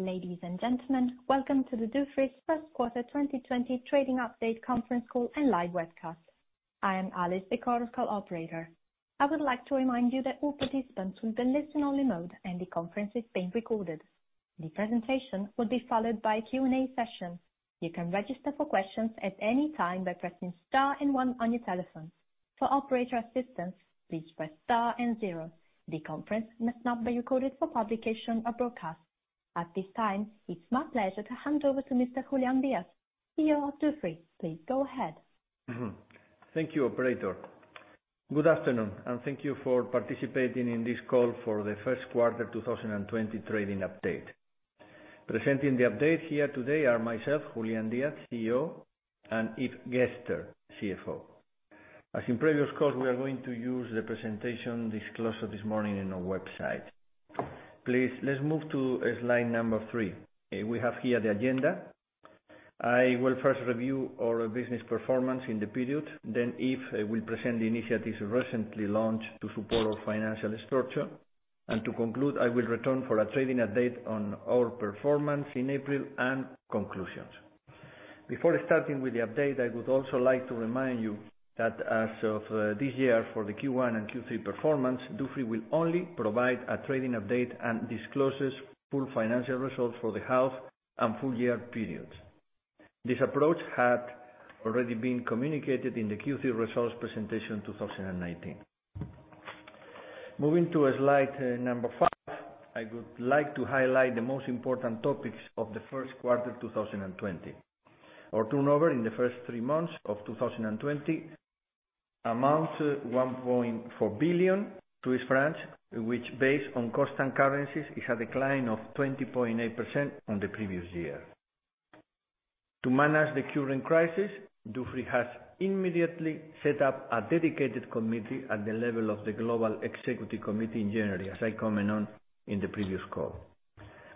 Ladies and gentlemen, welcome to the Avolta first quarter 2020 trading update conference call and live webcast. I am Alice, the conference call operator. I would like to remind you that all participants will be in listen-only mode and the conference is being recorded. The presentation will be followed by a Q&A session. You can register for questions at any time by pressing star and one on your telephone. For operator assistance, please press star and zero. The conference must not be recorded for publication or broadcast. At this time, it's my pleasure to hand over to Mr. Julián Díaz, CEO of Dufry. Please go ahead. Thank you, operator. Good afternoon, and thank you for participating in this call for the first quarter 2020 trading update. Presenting the update here today are myself, Julián Díaz, CEO, and Yves Gerster, CFO. As in previous calls, we are going to use the presentation disclosed this morning on our website. Please, let's move to slide number three. We have here the agenda. I will first review our business performance in the period, then Yves will present the initiatives recently launched to support our financial structure. To conclude, I will return for a trading update on our performance in April and conclusions. Before starting with the update, I would also like to remind you that as of this year, for the Q1 and Q3 performance, Dufry will only provide a trading update and disclose full financial results for the half and full year periods. This approach had already been communicated in the Q3 results presentation 2019. Moving to slide number five, I would like to highlight the most important topics of the first quarter 2020. Our turnover in the first three months of 2020 amounts to 1.4 billion Swiss francs, which based on constant currencies, is a decline of 20.8% on the previous year. To manage the current crisis, Dufry has immediately set up a dedicated committee at the level of the global executive committee in January, as I commented on in the previous call,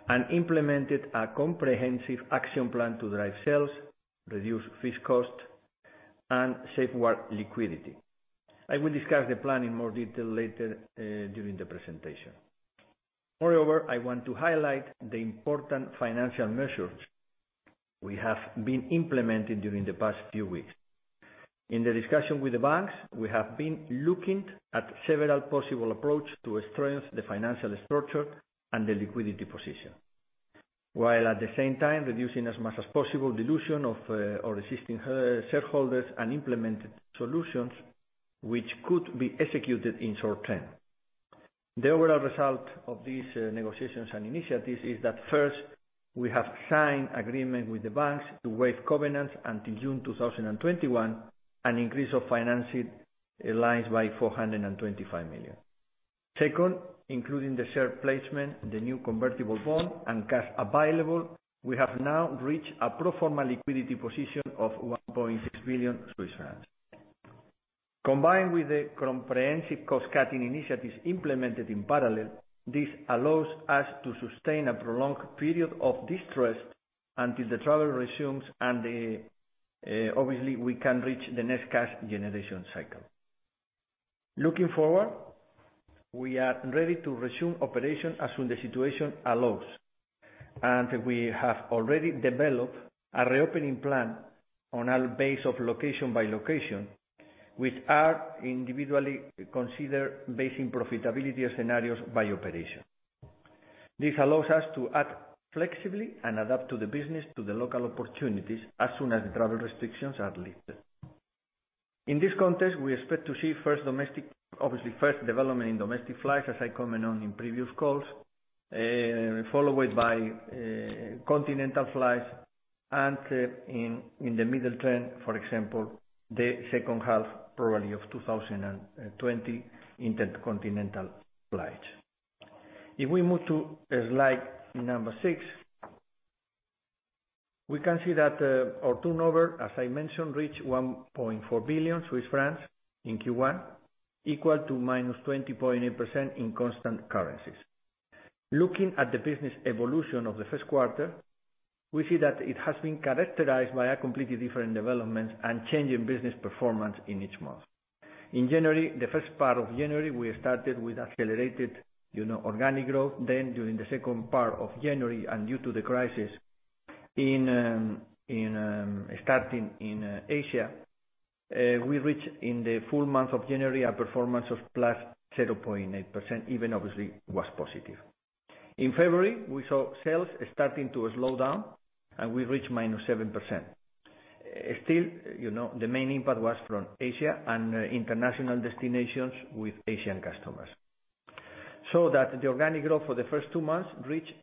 and implemented a comprehensive action plan to drive sales, reduce fixed costs, and safeguard liquidity. I will discuss the plan in more detail later during the presentation. Moreover, I want to highlight the important financial measures we have been implementing during the past few weeks. In the discussion with the banks, we have been looking at several possible approaches to strengthen the financial structure and the liquidity position, while at the same time reducing as much as possible dilution of our existing shareholders and implemented solutions which could be executed in short term. The overall result of these negotiations and initiatives is that first, we have signed agreement with the banks to waive covenants until June 2021, an increase of financing lines by 425 million. Second, including the share placement, the new convertible bond, and cash available, we have now reached a pro forma liquidity position of 1.6 billion Swiss francs. Combined with the comprehensive cost-cutting initiatives implemented in parallel, this allows us to sustain a prolonged period of distress until the travel resumes and obviously, we can reach the net cash generation cycle. Looking forward, we are ready to resume operation as soon the situation allows, and we have already developed a reopening plan on a base of location by location, which are individually considered based on profitability scenarios by operation. This allows us to act flexibly and adapt the business to the local opportunities as soon as the travel restrictions are lifted. In this context, we expect to see, obviously, first development in domestic flights, as I commented on in previous calls, followed by continental flights, and in the middle term, for example, the second half probably of 2020, intercontinental flights. If we move to slide number six, we can see that our turnover, as I mentioned, reached 1.4 billion Swiss francs in Q1, equal to -20.8% in constant currencies. Looking at the business evolution of the first quarter, we see that it has been characterized by a completely different development and change in business performance in each month. In January, the first part of January, we started with accelerated organic growth. During the second part of January and due to the crisis starting in Asia, we reached in the full month of January a performance of +0.8%, even obviously was positive. In February, we saw sales starting to slow down, and we reached -7%. Still, the main impact was from Asia and international destinations with Asian customers. The organic growth for the first two months reached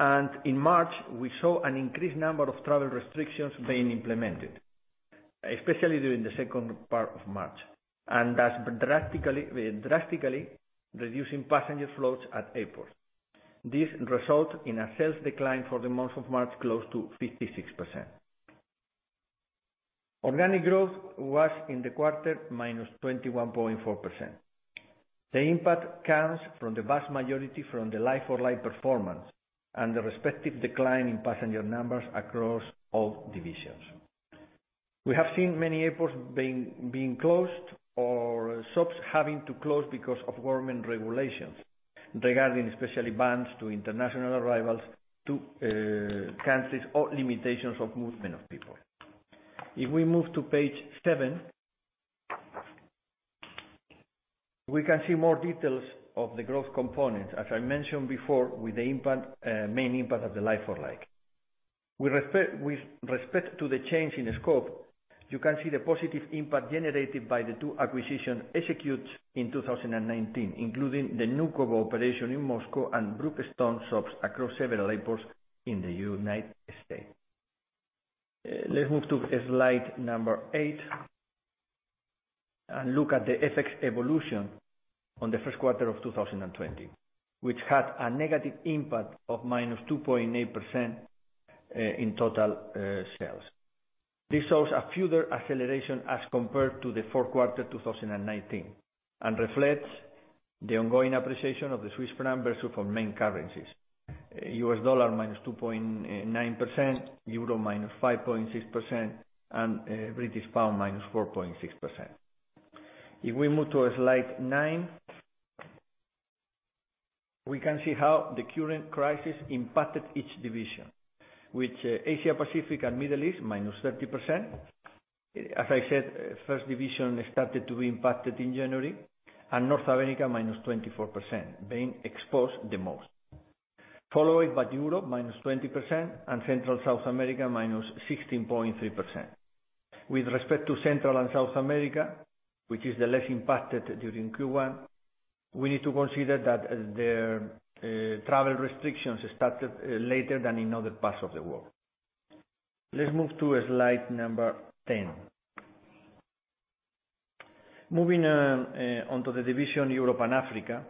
-2.3%. In March, we saw an increased number of travel restrictions being implemented, especially during the second part of March, and that's drastically reducing passenger flows at airports. This resulted in a sales decline for the month of March close to 56%. Organic growth was in the quarter, -21.4%. The impact comes from the vast majority from the like-for-like performance and the respective decline in passenger numbers across all divisions. We have seen many airports being closed or shops having to close because of government regulations, regarding especially bans to international arrivals, to cancels or limitations of movement of people. If we move to page seven, we can see more details of the growth components, as I mentioned before, with the main impact of the like-for-like. With respect to the change in the scope, you can see the positive impact generated by the two acquisitions executed in 2019, including the new cooperation in Moscow and Brookstone shops across several airports in the United States. Let's move to slide number eight and look at the FX evolution on the first quarter of 2020, which had a negative impact of -2.8% in total sales. This shows a further acceleration as compared to the fourth quarter 2019 and reflects the ongoing appreciation of the Swiss franc versus our main currencies, USD -2.9%, EUR -5.6%, and GBP -4.6%. If we move to slide nine, we can see how the current crisis impacted each division, with Asia-Pacific and Middle East -30%. As I said, first division started to be impacted in January. North America -24%, being exposed the most, followed by Europe -20% and Central South America -16.3%. With respect to Central and South America, which is the least impacted during Q1, we need to consider that their travel restrictions started later than in other parts of the world. Let's move to slide 10. Moving on to the division Europe and Africa,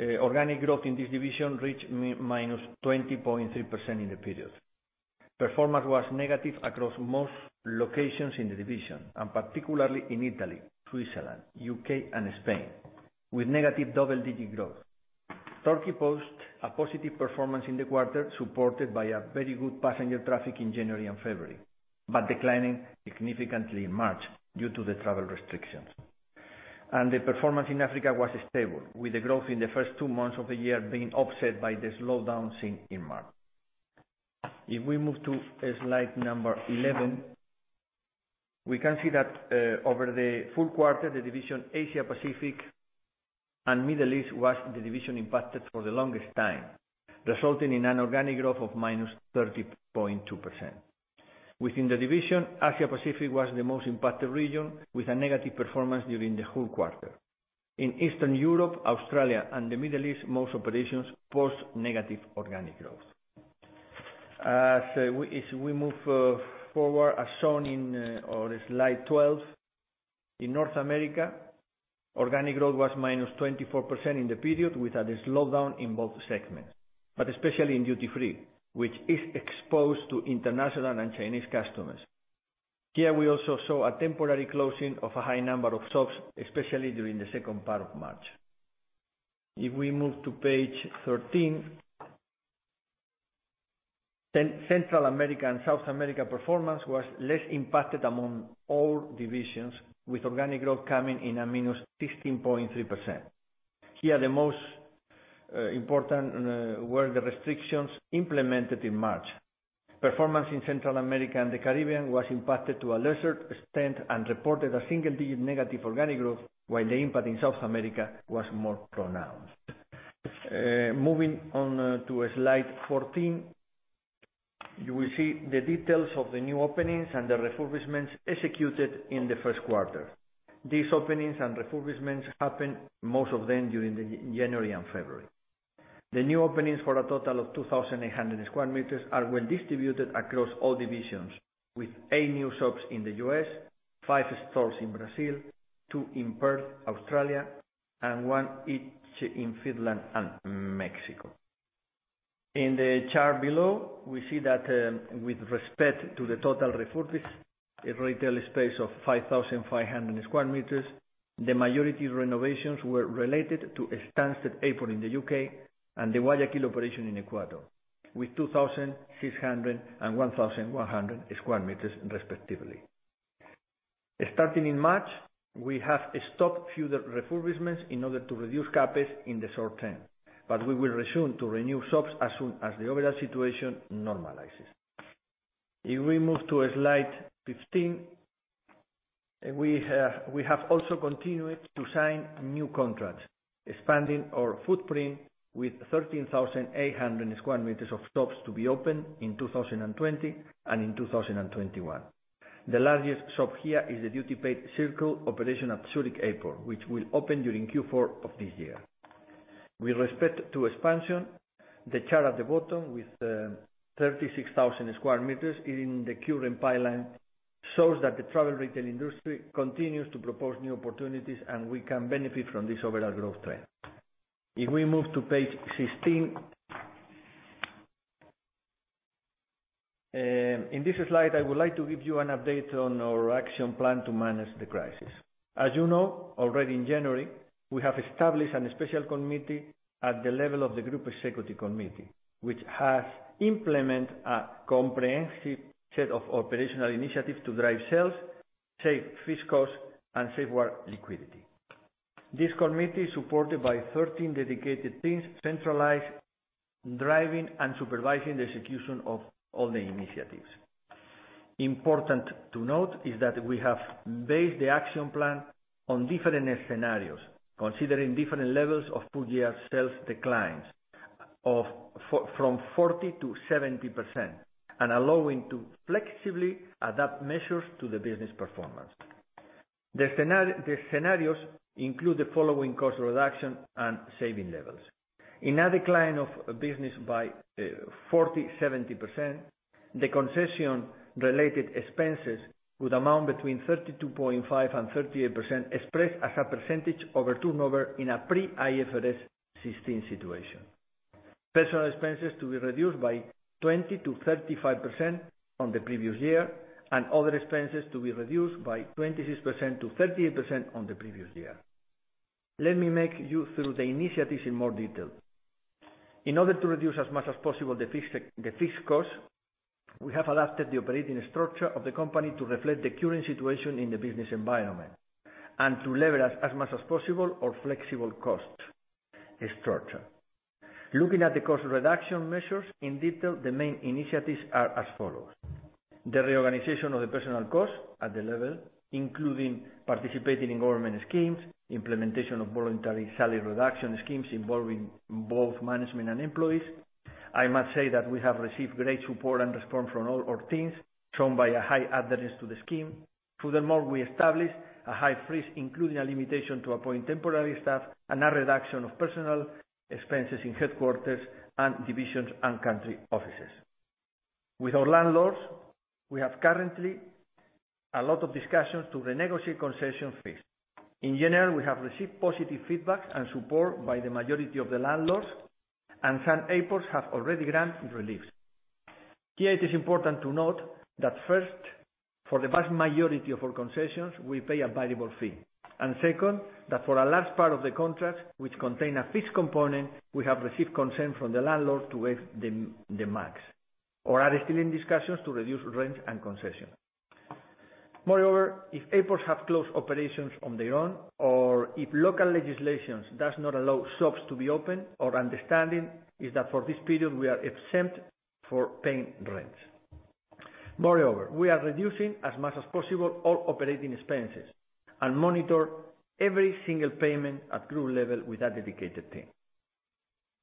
organic growth in this division reached -20.3% in the period. Performance was negative across most locations in the division, and particularly in Italy, Switzerland, U.K., and Spain, with negative double-digit growth. Turkey posted a positive performance in the quarter, supported by a very good passenger traffic in January and February, but declining significantly in March due to the travel restrictions. The performance in Africa was stable, with the growth in the first two months of the year being offset by the slowdown seen in March. If we move to slide number 11, we can see that over the full quarter, the division Asia-Pacific and Middle East was the division impacted for the longest time, resulting in an organic growth of -30.2%. Within the division, Asia-Pacific was the most impacted region, with a negative performance during the whole quarter. In Eastern Europe, Australia, and the Middle East, most operations post negative organic growth. As we move forward, as shown on slide 12, in North America, organic growth was -24% in the period, with a slowdown in both segments, but especially in duty free, which is exposed to international and Chinese customers. Here we also saw a temporary closing of a high number of shops, especially during the second part of March. If we move to page 13, Central America and South America performance was less impacted among all divisions, with organic growth coming in at -16.3%. Here, the most important were the restrictions implemented in March. Performance in Central America and the Caribbean was impacted to a lesser extent and reported a single-digit negative organic growth, while the impact in South America was more pronounced. Moving on to slide 14, you will see the details of the new openings and the refurbishments executed in the first quarter. These openings and refurbishments happened, most of them, during January and February. The new openings, for a total of 2,800 sq m, are well distributed across all divisions, with eight new shops in the U.S., five stores in Brazil, two in Perth, Australia, and one each in Finland and Mexico. In the chart below, we see that with respect to the total refurbished retail space of 5,500 sq m, the majority of renovations were related to Stansted Airport in the U.K. and the Guayaquil operation in Ecuador, with 2,600 and 1,100 sq m respectively. Starting in March, we have stopped further refurbishments in order to reduce CapEx in the short term, but we will resume to renew shops as soon as the overall situation normalizes. If we move to slide 15, we have also continued to sign new contracts, expanding our footprint with 13,800 square meters of shops to be opened in 2020 and in 2021. The largest shop here is the duty paid Circle operation at Zurich Airport, which will open during Q4 of this year. With respect to expansion, the chart at the bottom with 36,000 square meters in the current pipeline shows that the travel retail industry continues to propose new opportunities, and we can benefit from this overall growth trend. If we move to page 16. In this slide, I would like to give you an update on our action plan to manage the crisis. As you know, already in January, we have established a special committee at the level of the group executive committee, which has implemented a comprehensive set of operational initiatives to drive sales, save fixed costs, and safeguard liquidity. This committee is supported by 13 dedicated teams, centralized, driving, and supervising the execution of all the initiatives. Important to note is that we have based the action plan on different scenarios, considering different levels of full-year sales declines from 40% to 70%, and allowing to flexibly adapt measures to the business performance. The scenarios include the following cost reduction and saving levels. In a decline of business by 40% to 70%, the concession-related expenses would amount between 32.5% and 38%, expressed as a percentage over turnover in a pre-IFRS 16 situation. Personnel expenses to be reduced by 20%-35% on the previous year, and other expenses to be reduced by 26%-38% on the previous year. Let me take you through the initiatives in more detail. In order to reduce as much as possible the fixed costs, we have adapted the operating structure of the company to reflect the current situation in the business environment and to leverage as much as possible our flexible cost structure. Looking at the cost reduction measures in detail, the main initiatives are as follows. The reorganization of the personnel costs at the level, including participating in government schemes, implementation of voluntary salary reduction schemes involving both management and employees. I must say that we have received great support and response from all our teams, shown by a high adherence to the scheme. Furthermore, we established a hire freeze, including a limitation to appoint temporary staff, and a reduction of personnel expenses in headquarters and divisions and country offices. With our landlords, we have currently a lot of discussions to renegotiate concession fees. In general, we have received positive feedback and support by the majority of the landlords, and some airports have already granted reliefs. Here, it is important to note that first, for the vast majority of our concessions, we pay a variable fee. Second, that for a large part of the contracts which contain a fixed component, we have received consent from the landlord to waive the MAG, or are still in discussions to reduce rent and concession. If airports have closed operations on their own or if local legislation does not allow shops to be open, our understanding is that for this period, we are exempt for paying rent. We are reducing as much as possible all operating expenses and monitor every single payment at group level with a dedicated team.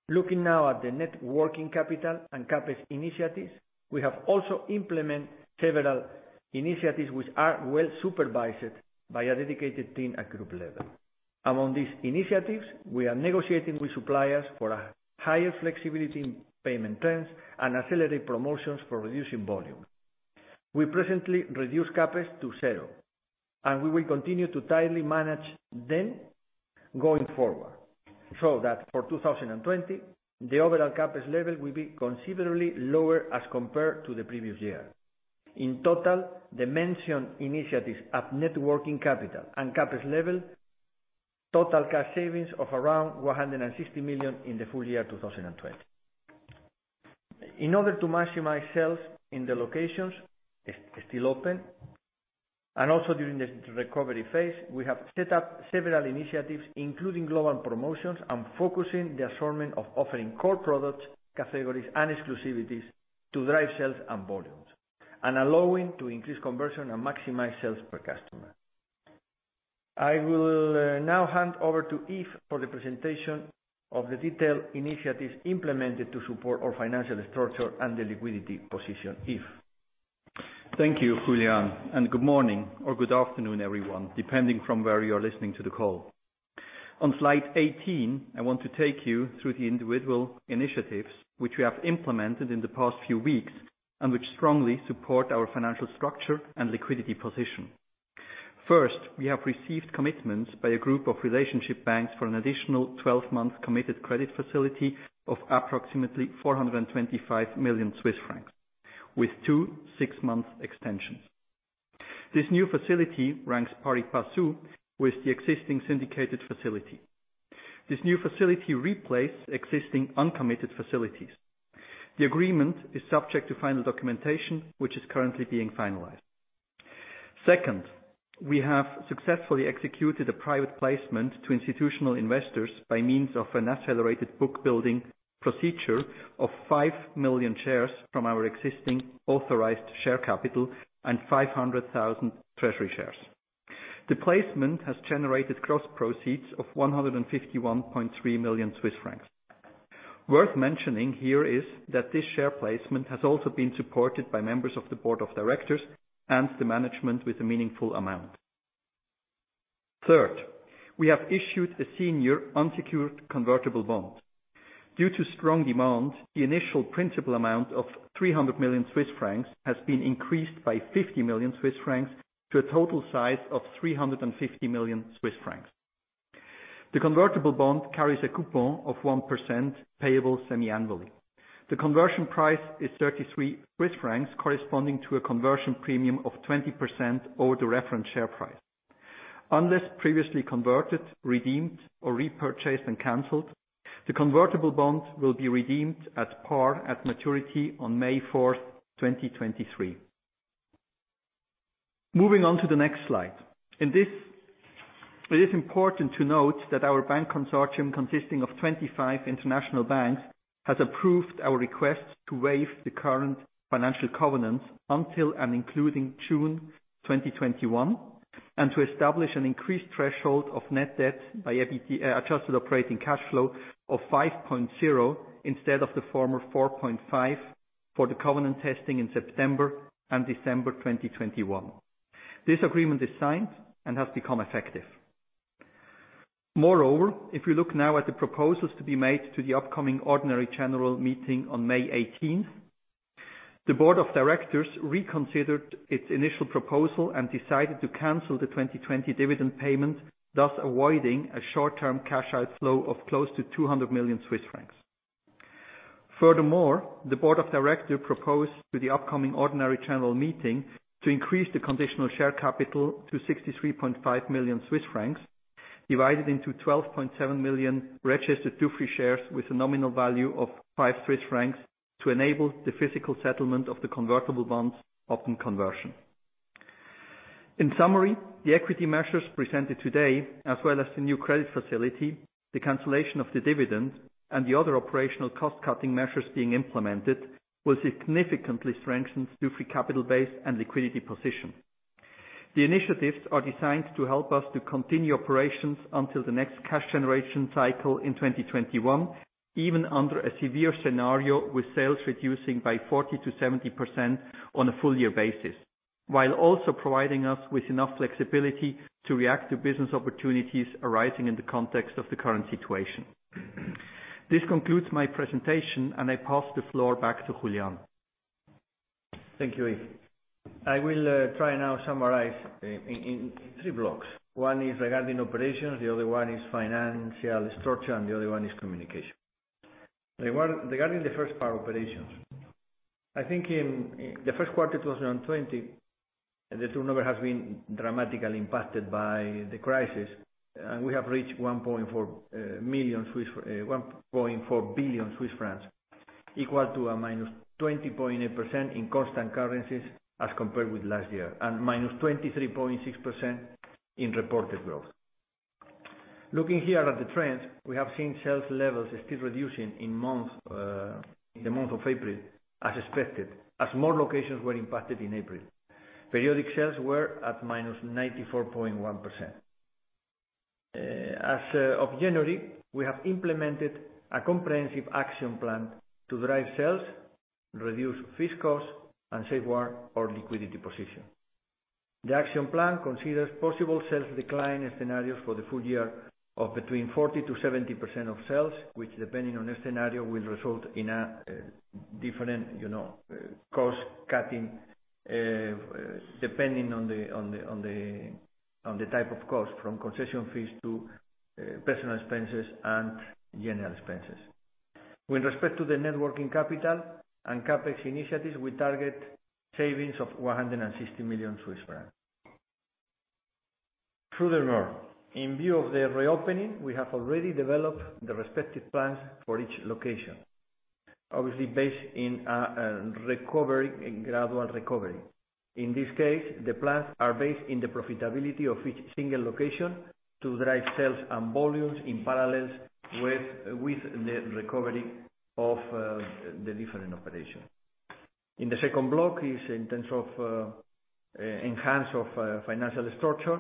Looking now at the net working capital and CapEx initiatives, we have also implemented several initiatives which are well supervised by a dedicated team at group level. Among these initiatives, we are negotiating with suppliers for a higher flexibility in payment terms and accelerated promotions for reducing volume. We presently reduced CapEx to zero, and we will continue to tightly manage them going forward. That for 2020, the overall CapEx level will be considerably lower as compared to the previous year. In total, the mentioned initiatives at net working capital and CapEx level, total cash savings of around 160 million in the full year 2020. In order to maximize sales in the locations still open and also during this recovery phase, we have set up several initiatives, including global promotions and focusing the assortment of offering core products, categories, and exclusivities to drive sales and volumes, and allowing to increase conversion and maximize sales per customer. I will now hand over to Yves for the presentation of the detailed initiatives implemented to support our financial structure and the liquidity position. Yves. Thank you, Julián. Good morning or good afternoon, everyone, depending from where you are listening to the call. On slide 18, I want to take you through the individual initiatives which we have implemented in the past few weeks and which strongly support our financial structure and liquidity position. First, we have received commitments by a group of relationship banks for an additional 12-month committed credit facility of approximately 425 million Swiss francs, with two six-month extensions. This new facility ranks pari passu with the existing syndicated facility. This new facility replaced existing uncommitted facilities. The agreement is subject to final documentation, which is currently being finalized. Second, we have successfully executed a private placement to institutional investors by means of an accelerated book building procedure of five million shares from our existing authorized share capital and 500,000 treasury shares. The placement has generated gross proceeds of 151.3 million Swiss francs. Worth mentioning here is that this share placement has also been supported by members of the board of directors and the management with a meaningful amount. Third, we have issued a senior unsecured convertible bond. Due to strong demand, the initial principal amount of 300 million Swiss francs has been increased by 50 million Swiss francs to a total size of 350 million Swiss francs. The convertible bond carries a coupon of 1% payable semi-annually. The conversion price is 33 Swiss francs, corresponding to a conversion premium of 20% over the reference share price. Unless previously converted, redeemed, or repurchased and canceled, the convertible bond will be redeemed at par at maturity on May 4th, 2023. Moving on to the next slide. In this, it is important to note that our bank consortium, consisting of 25 international banks, has approved our request to waive the current financial covenant until and including June 2021, and to establish an increased threshold of net debt by adjusted operating cash flow of 5.0 instead of the former 4.5 for the covenant testing in September and December 2021. This agreement is signed and has become effective. If we look now at the proposals to be made to the upcoming ordinary general meeting on May 18th, the board of directors reconsidered its initial proposal and decided to cancel the 2020 dividend payment, thus avoiding a short-term cash outflow of close to 200 million Swiss francs. The board of directors proposed to the upcoming ordinary general meeting to increase the conditional share capital to 63.5 million Swiss francs, divided into 12.7 million registered Dufry shares with a nominal value of 5 Swiss francs to enable the physical settlement of the convertible bonds upon conversion. The equity measures presented today, as well as the new credit facility, the cancellation of the dividend, and the other operational cost-cutting measures being implemented, will significantly strengthen Dufry capital base and liquidity position. The initiatives are designed to help us to continue operations until the next cash generation cycle in 2021, even under a severe scenario, with sales reducing by 40%-70% on a full year basis, while also providing us with enough flexibility to react to business opportunities arising in the context of the current situation. This concludes my presentation, and I pass the floor back to Julián. Thank you, Yves. I will try now summarize in three blocks. One is regarding operations, the other one is financial structure, the other one is communication. Regarding the first part, operations. I think in the first quarter 2020, the turn number has been dramatically impacted by the crisis. We have reached 1.4 billion Swiss francs, equal to a -20.8% in constant currencies as compared with last year, and -23.6% in reported growth. Looking here at the trends, we have seen sales levels still reducing in the month of April as expected, as more locations were impacted in April. Periodic sales were at -94.1%. As of January, we have implemented a comprehensive action plan to drive sales, reduce fixed costs, and safeguard our liquidity position. The action plan considers possible sales decline scenarios for the full year of between 40%-70% of sales, which, depending on the scenario, will result in a different cost cutting, depending on the type of cost, from concession fees to personal expenses and general expenses. With respect to the net working capital and CapEx initiatives, we target savings of 160 million. Furthermore, in view of the reopening, we have already developed the respective plans for each location. Obviously, based in a gradual recovery. In this case, the plans are based in the profitability of each single location to drive sales and volumes in parallels with the recovery of the different operations. In the second block is in terms of enhance of financial structure.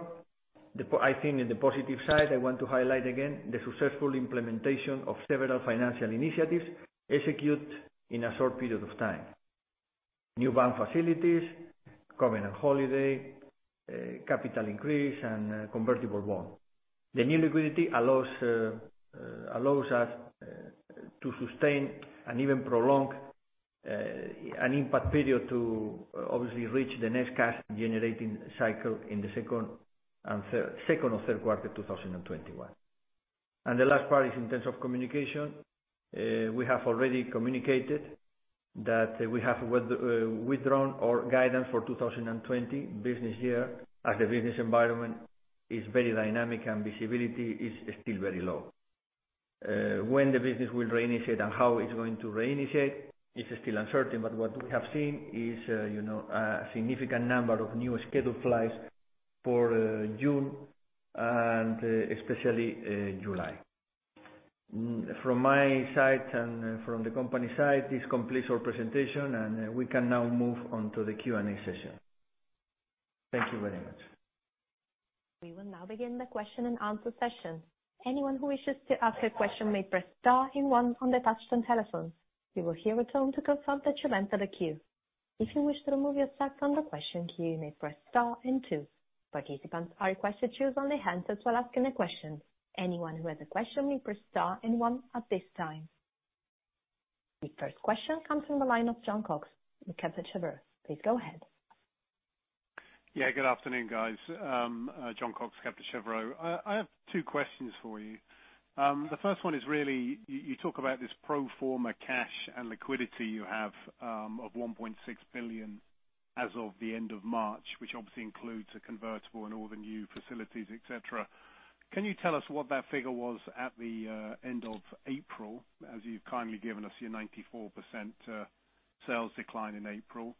I think in the positive side, I want to highlight again the successful implementation of several financial initiatives executed in a short period of time. New bank facilities, covenant holiday, capital increase, and convertible bond. The new liquidity allows us to sustain and even prolong an impact period to obviously reach the next cash generating cycle in the second or third quarter 2021. The last part is in terms of communication. We have already communicated that we have withdrawn our guidance for 2020 business year, as the business environment is very dynamic and visibility is still very low. When the business will reinitiate and how it's going to reinitiate is still uncertain. What we have seen is a significant number of new scheduled flights for June and especially July. From my side and from the company side, this completes our presentation, and we can now move on to the Q&A session. Thank you very much. We will now begin the question and answer session. Anyone who wishes to ask a question may press star and one on their touch-tone telephones. You will hear a tone to confirm that you entered a queue. If you wish to remove yourself from the question queue, you may press star and two. Participants are requested to unmute only hands that will ask any questions. Anyone who has a question may press star and one at this time. The first question comes from the line of Jon Cox, Deutsche Bank. Please go ahead. Yeah. Good afternoon, guys. Jon Cox, Kepler Cheuvreux. I have two questions for you. The first one is really, you talk about this pro forma cash and liquidity you have, of 1.6 billion as of the end of March, which obviously includes a convertible and all the new facilities, et cetera. Can you tell us what that figure was at the end of April, as you've kindly given us your 94% sales decline in April?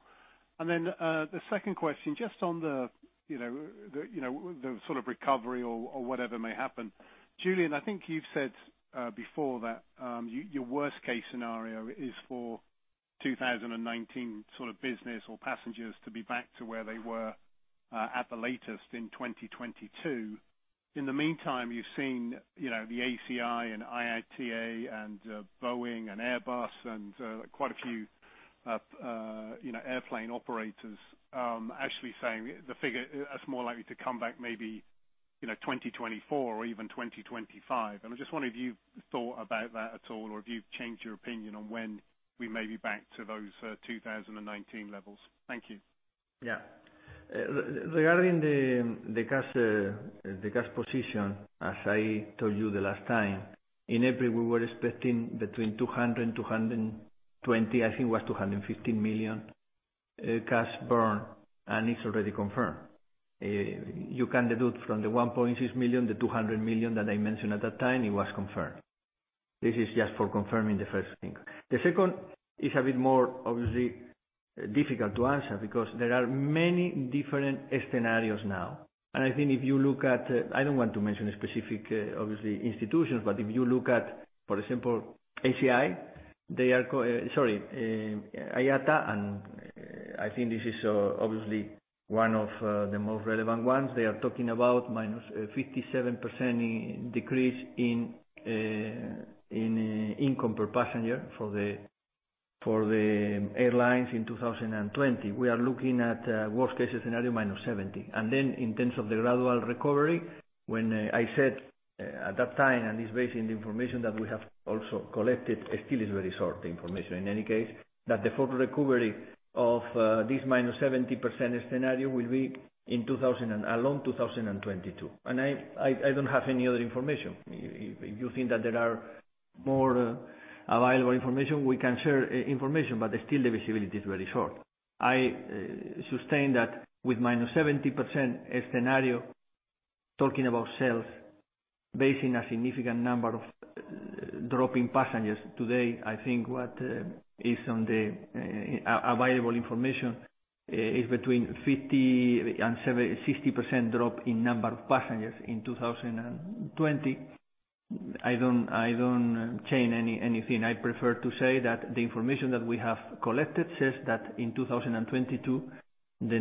The second question, just on the sort of recovery or whatever may happen. Julián, I think you've said before that your worst-case scenario is for 2019 sort of business or passengers to be back to where they were, at the latest in 2022. In the meantime, you've seen the ACI and IATA and Boeing and Airbus and quite a few airplane operators actually saying the figure is more likely to come back maybe 2024 or even 2025. I just wonder if you've thought about that at all, or if you've changed your opinion on when we may be back to those 2019 levels. Thank you. Yeah. Regarding the cash position, as I told you the last time, in April, we were expecting between 200 million, 220 million, I think it was 250 million cash burn. It's already confirmed. You can deduct from the 1.6 million, the 200 million that I mentioned at that time. It was confirmed. This is just for confirming the first thing. The second is a bit more, obviously, difficult to answer because there are many different scenarios now. I think if you look at, I don't want to mention specific, obviously, institutions, if you look at, for example, ACI, sorry, IATA. I think this is obviously one of the most relevant ones. They are talking about -57% decrease in income per passenger for the airlines in 2020. We are looking at worst case scenario -70%. In terms of the gradual recovery, when I said at that time, and it's based on the information that we have also collected, it still is very short, the information. In any case, that the full recovery of this -70% scenario will be along 2022. I don't have any other information. If you think that there are more available information, we can share information, but still the visibility is very short. I sustain that with -70% scenario, talking about sales, basing a significant number of dropping passengers. Today, I think what is on the available information is between 50%-60% drop in number of passengers in 2020. I don't change anything. I prefer to say that the information that we have collected says that in 2022, the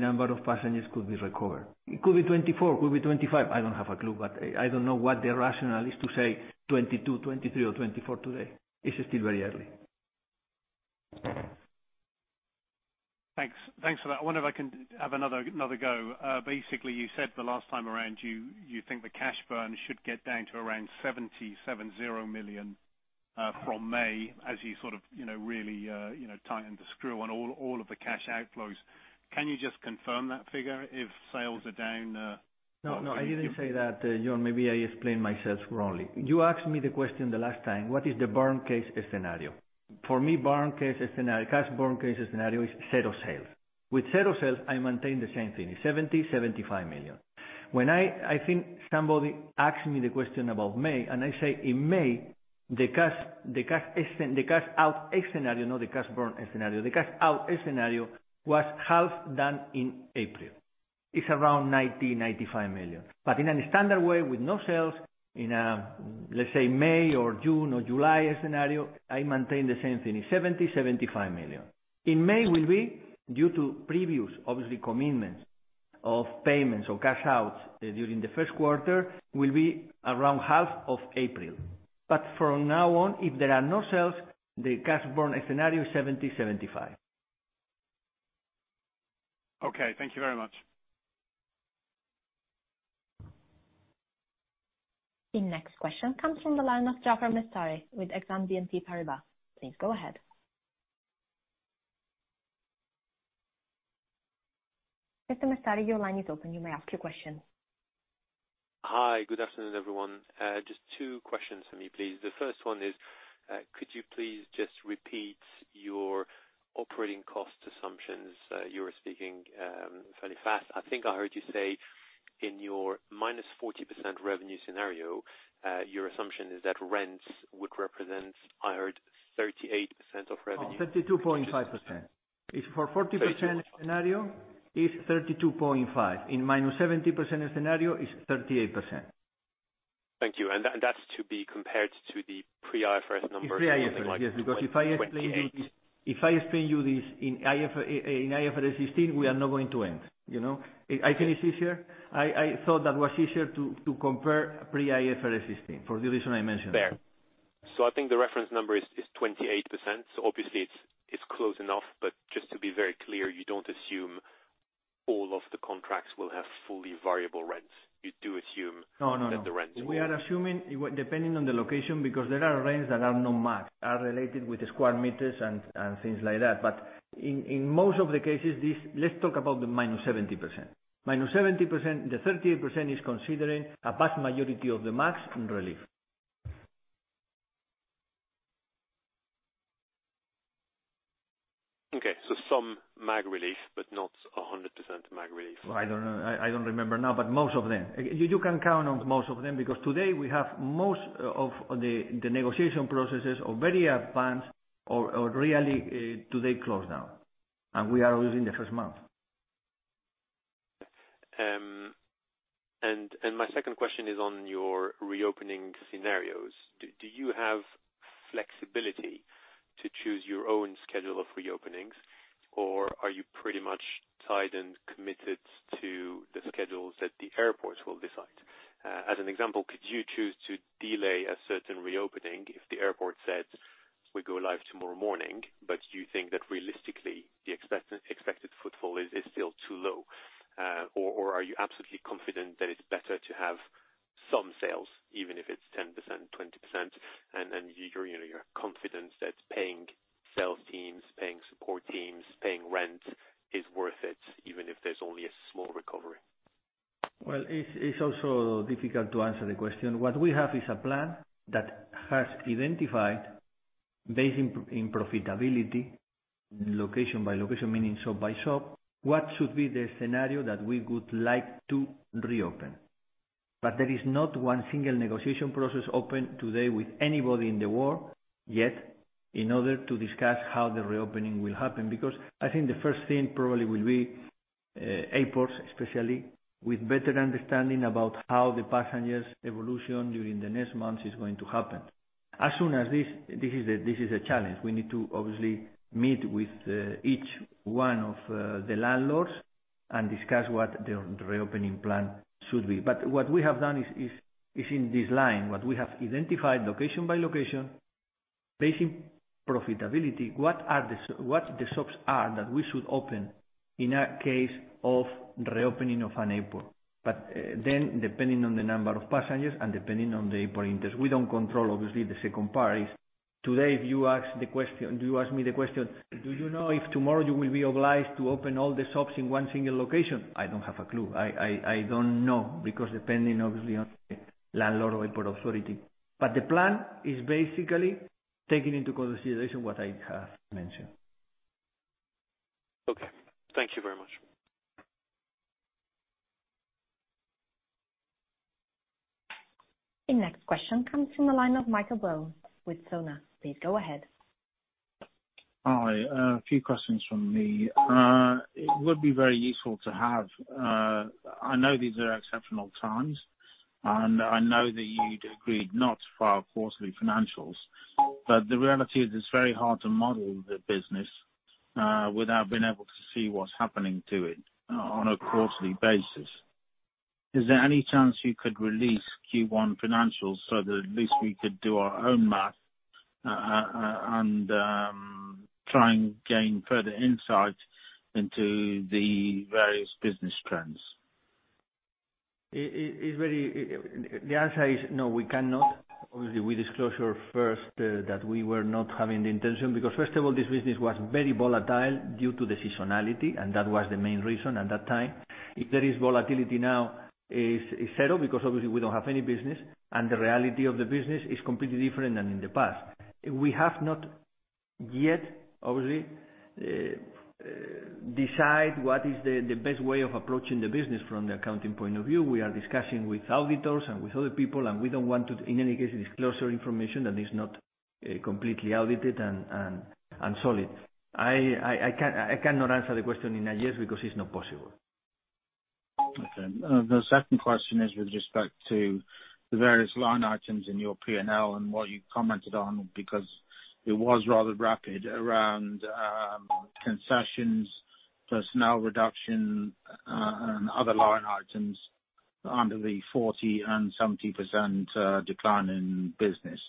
number of passengers could be recovered. It could be 2024, could be 2025. I don't have a clue, but I don't know what the rationale is to say 2022, 2023 or 2024 today. It's still very early. Thanks for that. I wonder if I can have another go. You said the last time around, you think the cash burn should get down to around 70 million from May as you sort of really tighten the screw on all of the cash outflows. Can you just confirm that figure if sales are down? No, I didn't say that, Jon. Maybe I explained myself wrongly. You asked me the question the last time, what is the burn case scenario? For me, cash burn case scenario is zero sales. With zero sales, I maintain the same thing, 70 million-75 million. When I think somebody asked me the question about May, I say in May, the cash out scenario, not the cash burn scenario. The cash out scenario was half done in April. It's around 90 million-95 million. In a standard way, with no sales, in let's say May or June or July scenario, I maintain the same thing, 70 million-75 million. In May will be due to previous, obviously commitments of payments or cash outs during the first quarter, will be around half of April. From now on, if there are no sales, the cash burn scenario is 70-75. Okay. Thank you very much. The next question comes from the line of Jaafar Mestari with Exane BNP Paribas. Please go ahead. Mr. Mestari, your line is open. You may ask your question. Hi. Good afternoon, everyone. Just two questions from me, please. The first one is, could you please just repeat your operating cost assumptions? You were speaking fairly fast. I think I heard you say in your minus 40% revenue scenario, your assumption is that rents would represent, I heard 38% of revenue. Oh, 32.5%. If for 40% scenario, it's 32.5%. In minus 70% scenario, it's 38%. Thank you. That's to be compared to the pre-IFRS number. Pre-IFRS, yes. of something like 28. If I explain you this in IFRS 16, we are not going to end. I think it's easier. I thought that was easier to compare pre-IFRS 16 for the reason I mentioned. Fair. I think the reference number is 28%, so obviously it's close enough, but just to be very clear, you don't assume Fully variable rents. You do assume No. That the rents will- We are assuming, depending on the location, because there are rents that are not MAG, are related with the sq m and things like that. In most of the cases, let's talk about the minus 70%. Minus 70%, the 38% is considering a vast majority of the MAG in relief. Okay. Some MAG relief, but not 100% MAG relief. I don't know. I don't remember now, but most of them. You can count on most of them, because today we have most of the negotiation processes are very advanced or really today closed down, and we are losing the first month. My second question is on your reopening scenarios. Do you have flexibility to choose your own schedule of reopenings, or are you pretty much tied and committed to the schedules that the airports will decide? As an example, could you choose to delay a certain reopening if the airport said, "We go live tomorrow morning," but you think that realistically, the expected footfall is still too low. Are you absolutely confident that it's better to have some sales, even if it's 10%, 20%, and you're confident that paying sales teams, paying support teams, paying rent is worth it, even if there's only a small recovery? It's also difficult to answer the question. What we have is a plan that has identified based in profitability, location by location, meaning shop by shop, what should be the scenario that we would like to reopen. There is not one single negotiation process open today with anybody in the world yet in order to discuss how the reopening will happen. I think the first thing probably will be airports, especially, with better understanding about how the passengers evolution during the next months is going to happen. As soon as this is a challenge. We need to obviously meet with each one of the landlords and discuss what the reopening plan should be. What we have done is in this line, what we have identified location by location, based in profitability, what the shops are that we should open in a case of reopening of an airport. Then depending on the number of passengers and depending on the airport interest, we don't control obviously the second part is today if you ask me the question. Do you know if tomorrow you will be obliged to open all the shops in one single location? I don't have a clue. I don't know, because depending, obviously, on the landlord or airport authority. The plan is basically taking into consideration what I have mentioned. Okay. Thank you very much. The next question comes from the line of Michael Bone with Sonova. Please go ahead. Hi. A few questions from me. It would be very useful to have, I know these are exceptional times, and I know that you'd agreed not to file quarterly financials, but the reality is it's very hard to model the business without being able to see what's happening to it on a quarterly basis. Is there any chance you could release Q1 financials so that at least we could do our own math, and try and gain further insight into the various business trends? The answer is no, we cannot. We disclosed first that we were not having the intention because first of all, this business was very volatile due to the seasonality, and that was the main reason at that time. If there is volatility now, it's settled because obviously we don't have any business, and the reality of the business is completely different than in the past. We have not yet, obviously, decide what is the best way of approaching the business from the accounting point of view. We are discussing with auditors and with other people, and we don't want to, in any case, disclose our information that is not completely audited and solid. I cannot answer the question in a yes because it's not possible. Okay. The second question is with respect to the various line items in your P&L and what you commented on, because it was rather rapid around concessions, personnel reduction, and other line items under the 40% and 70% decline in business.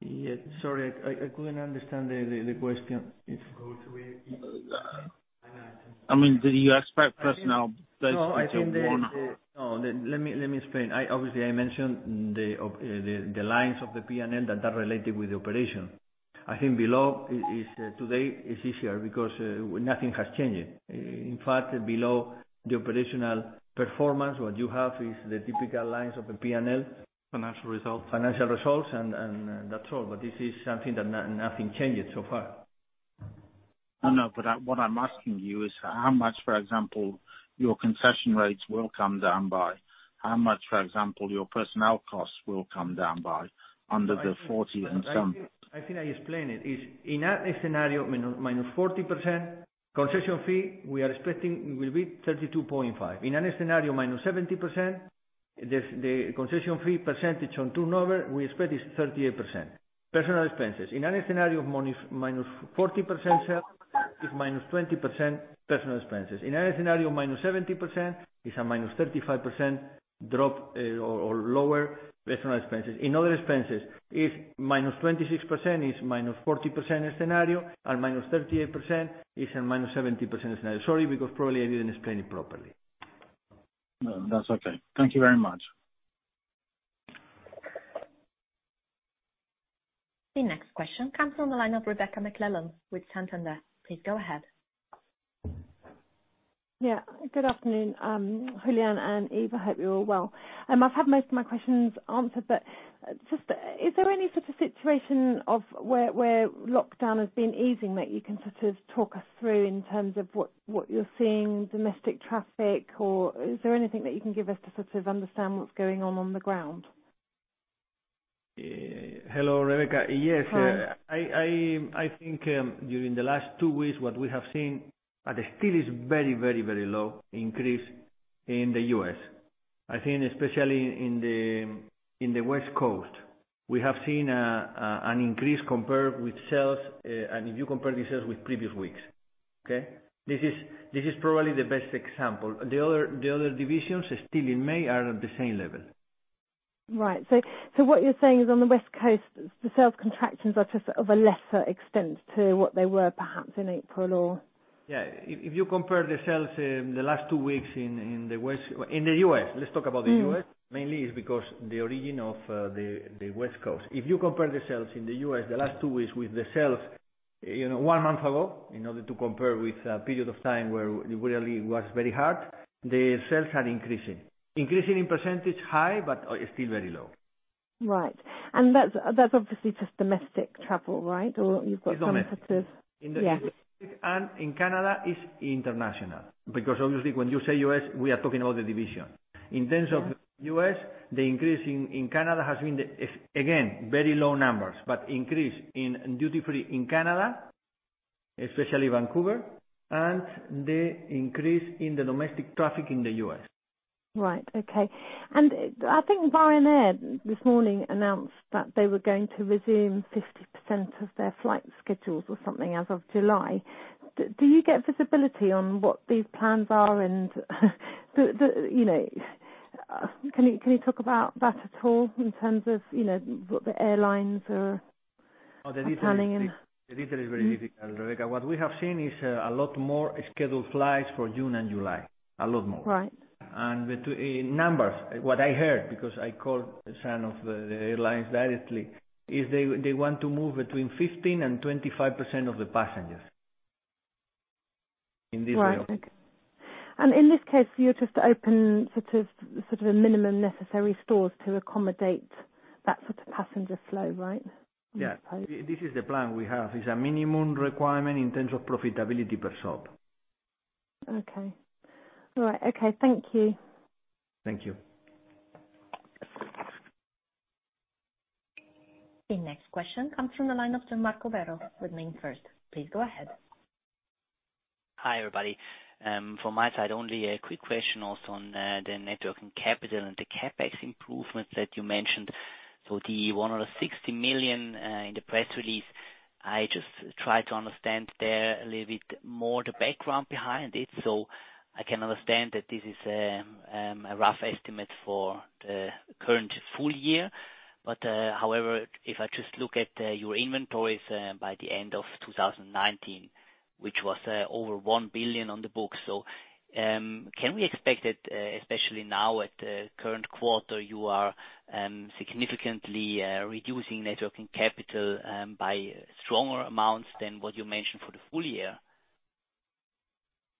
Yeah. Sorry, I couldn't understand the question. Could you repeat? I don't understand. Do you expect personnel- No. Let me explain. Obviously, I mentioned the lines of the P&L that are related with the operation. I think below today is easier because nothing has changed. In fact, below the operational performance, what you have is the typical lines of the P&L. Financial results. Financial results. That's all. This is something that nothing changed so far. No. What I'm asking you is how much, for example, your concession rates will come down by, how much, for example, your personnel costs will come down by under the 40 and 70. I think I explained it. In a scenario -40%, concession fee, we are expecting will be 32.5%. In any scenario -70%, the concession fee percentage on turnover, we expect is 38%. Personnel expenses. In any scenario -40% sale is -20% personnel expenses. In any scenario -70% is a -35% drop or lower personnel expenses. In other expenses, if -26% is -40% scenario and -38% is a -70% scenario. Sorry, because probably I didn't explain it properly. No, that's okay. Thank you very much. The next question comes from the line of Rebecca McClellan with Santander. Please go ahead. Yeah. Good afternoon, Julian and Yves. I hope you're all well. I've had most of my questions answered, but just is there any sort of situation of where lockdown has been easing that you can sort of talk us through in terms of what you're seeing, domestic traffic, or is there anything that you can give us to sort of understand what's going on the ground? Hello, Rebecca. Yes. Hi. I think during the last two weeks, what we have seen, still is very low increase in the U.S. I think especially in the West Coast, we have seen an increase compared with sales, if you compare the sales with previous weeks. Okay? This is probably the best example. The other divisions still in May are at the same level. Right. What you're saying is on the West Coast, the sales contractions are just of a lesser extent to what they were perhaps in April, or? Yeah. If you compare the sales in the last two weeks in the U.S., let's talk about the U.S. Mainly it's because the origin of the West Coast. If you compare the sales in the U.S., the last two weeks with the sales one month ago, in order to compare with a period of time where it really was very hard, the sales are increasing in percentage high, but still very low. Right. That's obviously just domestic travel, right? It's domestic. Yes. In the U.S. and in Canada it's international, because obviously when you say U.S., we are talking about the division. Yeah. In terms of U.S., the increase in Canada has been, again, very low numbers, but increase in duty-free in Canada, especially Vancouver, and the increase in the domestic traffic in the U.S. Right. Okay. I think Ryanair this morning announced that they were going to resume 50% of their flight schedules or something as of July. Do you get visibility on what these plans are and can you talk about that at all in terms of what the airlines are planning? The detail is very difficult, Rebecca. What we have seen is a lot more scheduled flights for June and July. A lot more. Right. The numbers, what I heard, because I called some of the airlines directly, is they want to move between 15% and 25% of the passengers in this way around. Right. In this case, you're just open sort of a minimum necessary stores to accommodate that sort of passenger flow, right? Yeah. I suppose. This is the plan we have. It's a minimum requirement in terms of profitability per shop. Okay. All right. Okay. Thank you. Thank you. The next question comes from the line of Gian-Marco Werro with Mediobanca. Please go ahead. Hi, everybody. From my side, only a quick question also on the net working capital and the CapEx improvements that you mentioned. The 160 million, in the press release, I just try to understand there a little bit more the background behind it. I can understand that this is a rough estimate for the current full year. However, if I just look at your inventories by the end of 2019, which was over 1 billion on the books, can we expect that, especially now at the current quarter, you are significantly reducing net working capital by stronger amounts than what you mentioned for the full year?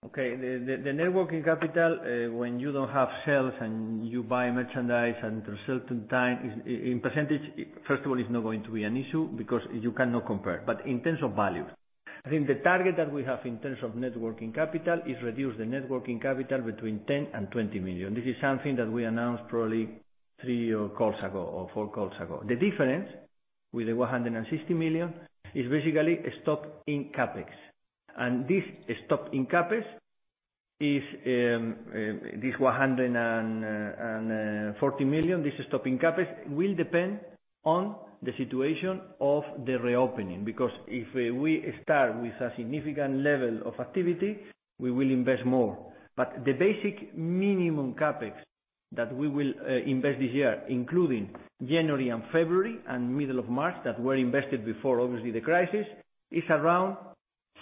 Okay. The net working capital, when you don't have sales and you buy merchandise and certain time in percentage, first of all, it's not going to be an issue because you cannot compare. In terms of value, I think the target that we have in terms of net working capital is reduce the net working capital between 10 million and 20 million. This is something that we announced probably three calls ago or four calls ago. The difference with the 160 million is basically stop in CapEx. This stop in CapEx is this 140 million. This stop in CapEx will depend on the situation of the reopening, because if we start with a significant level of activity, we will invest more. The basic minimum CapEx that we will invest this year, including January and February and middle of March, that were invested before, obviously, the crisis, is around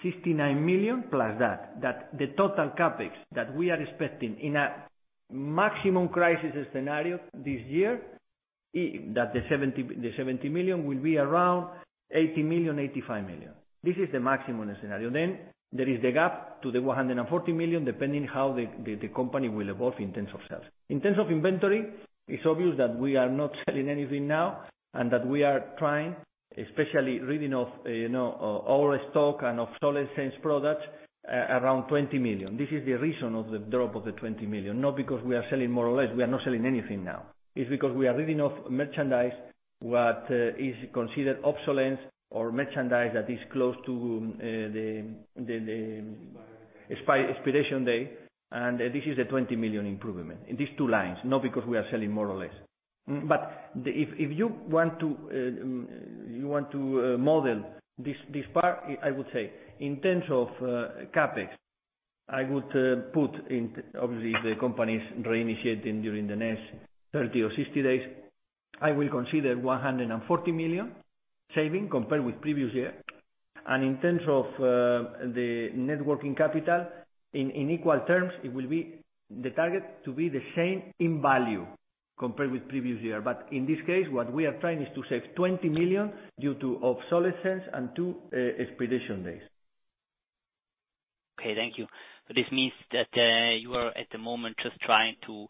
69 million plus that. The total CapEx that we are expecting in a maximum crisis scenario this year, that the 70 million will be around 80 million, 85 million. This is the maximum scenario. There is the gap to the 140 million, depending how the company will evolve in terms of sales. In terms of inventory, it's obvious that we are not selling anything now, and that we are trying, especially ridding of older stock and obsolescence products, around 20 million. This is the reason of the drop of the 20 million. Not because we are selling more or less, we are not selling anything now. It's because we are ridding of merchandise what is considered obsolete or merchandise that is close to expiration date. This is the 20 million improvement. In these two lines, not because we are selling more or less. If you want to model this part, I would say in terms of CapEx, I would put in, obviously, the company's reinitiating during the next 30 or 60 days. I will consider 140 million saving compared with previous year. In terms of the net working capital, in equal terms, the target to be the same in value compared with previous year. In this case, what we are trying is to save 20 million due to obsolescence and two expedition days. Okay, thank you. This means that you are, at the moment, just trying to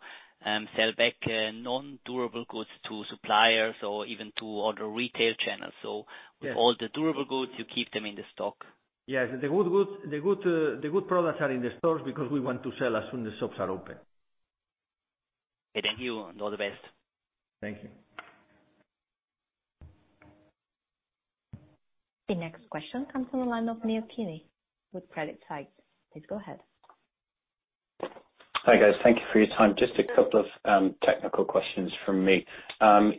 sell back non-durable goods to suppliers or even to other retail channels. Yes. With all the durable goods, you keep them in the stock? Yes. The good products are in the stores because we want to sell as soon as shops are open. Okay. Thank you, and all the best. Thank you. The next question comes from the line of Neill Keaney with CreditSights. Please go ahead. Hi, guys. Thank you for your time. Just a couple of technical questions from me.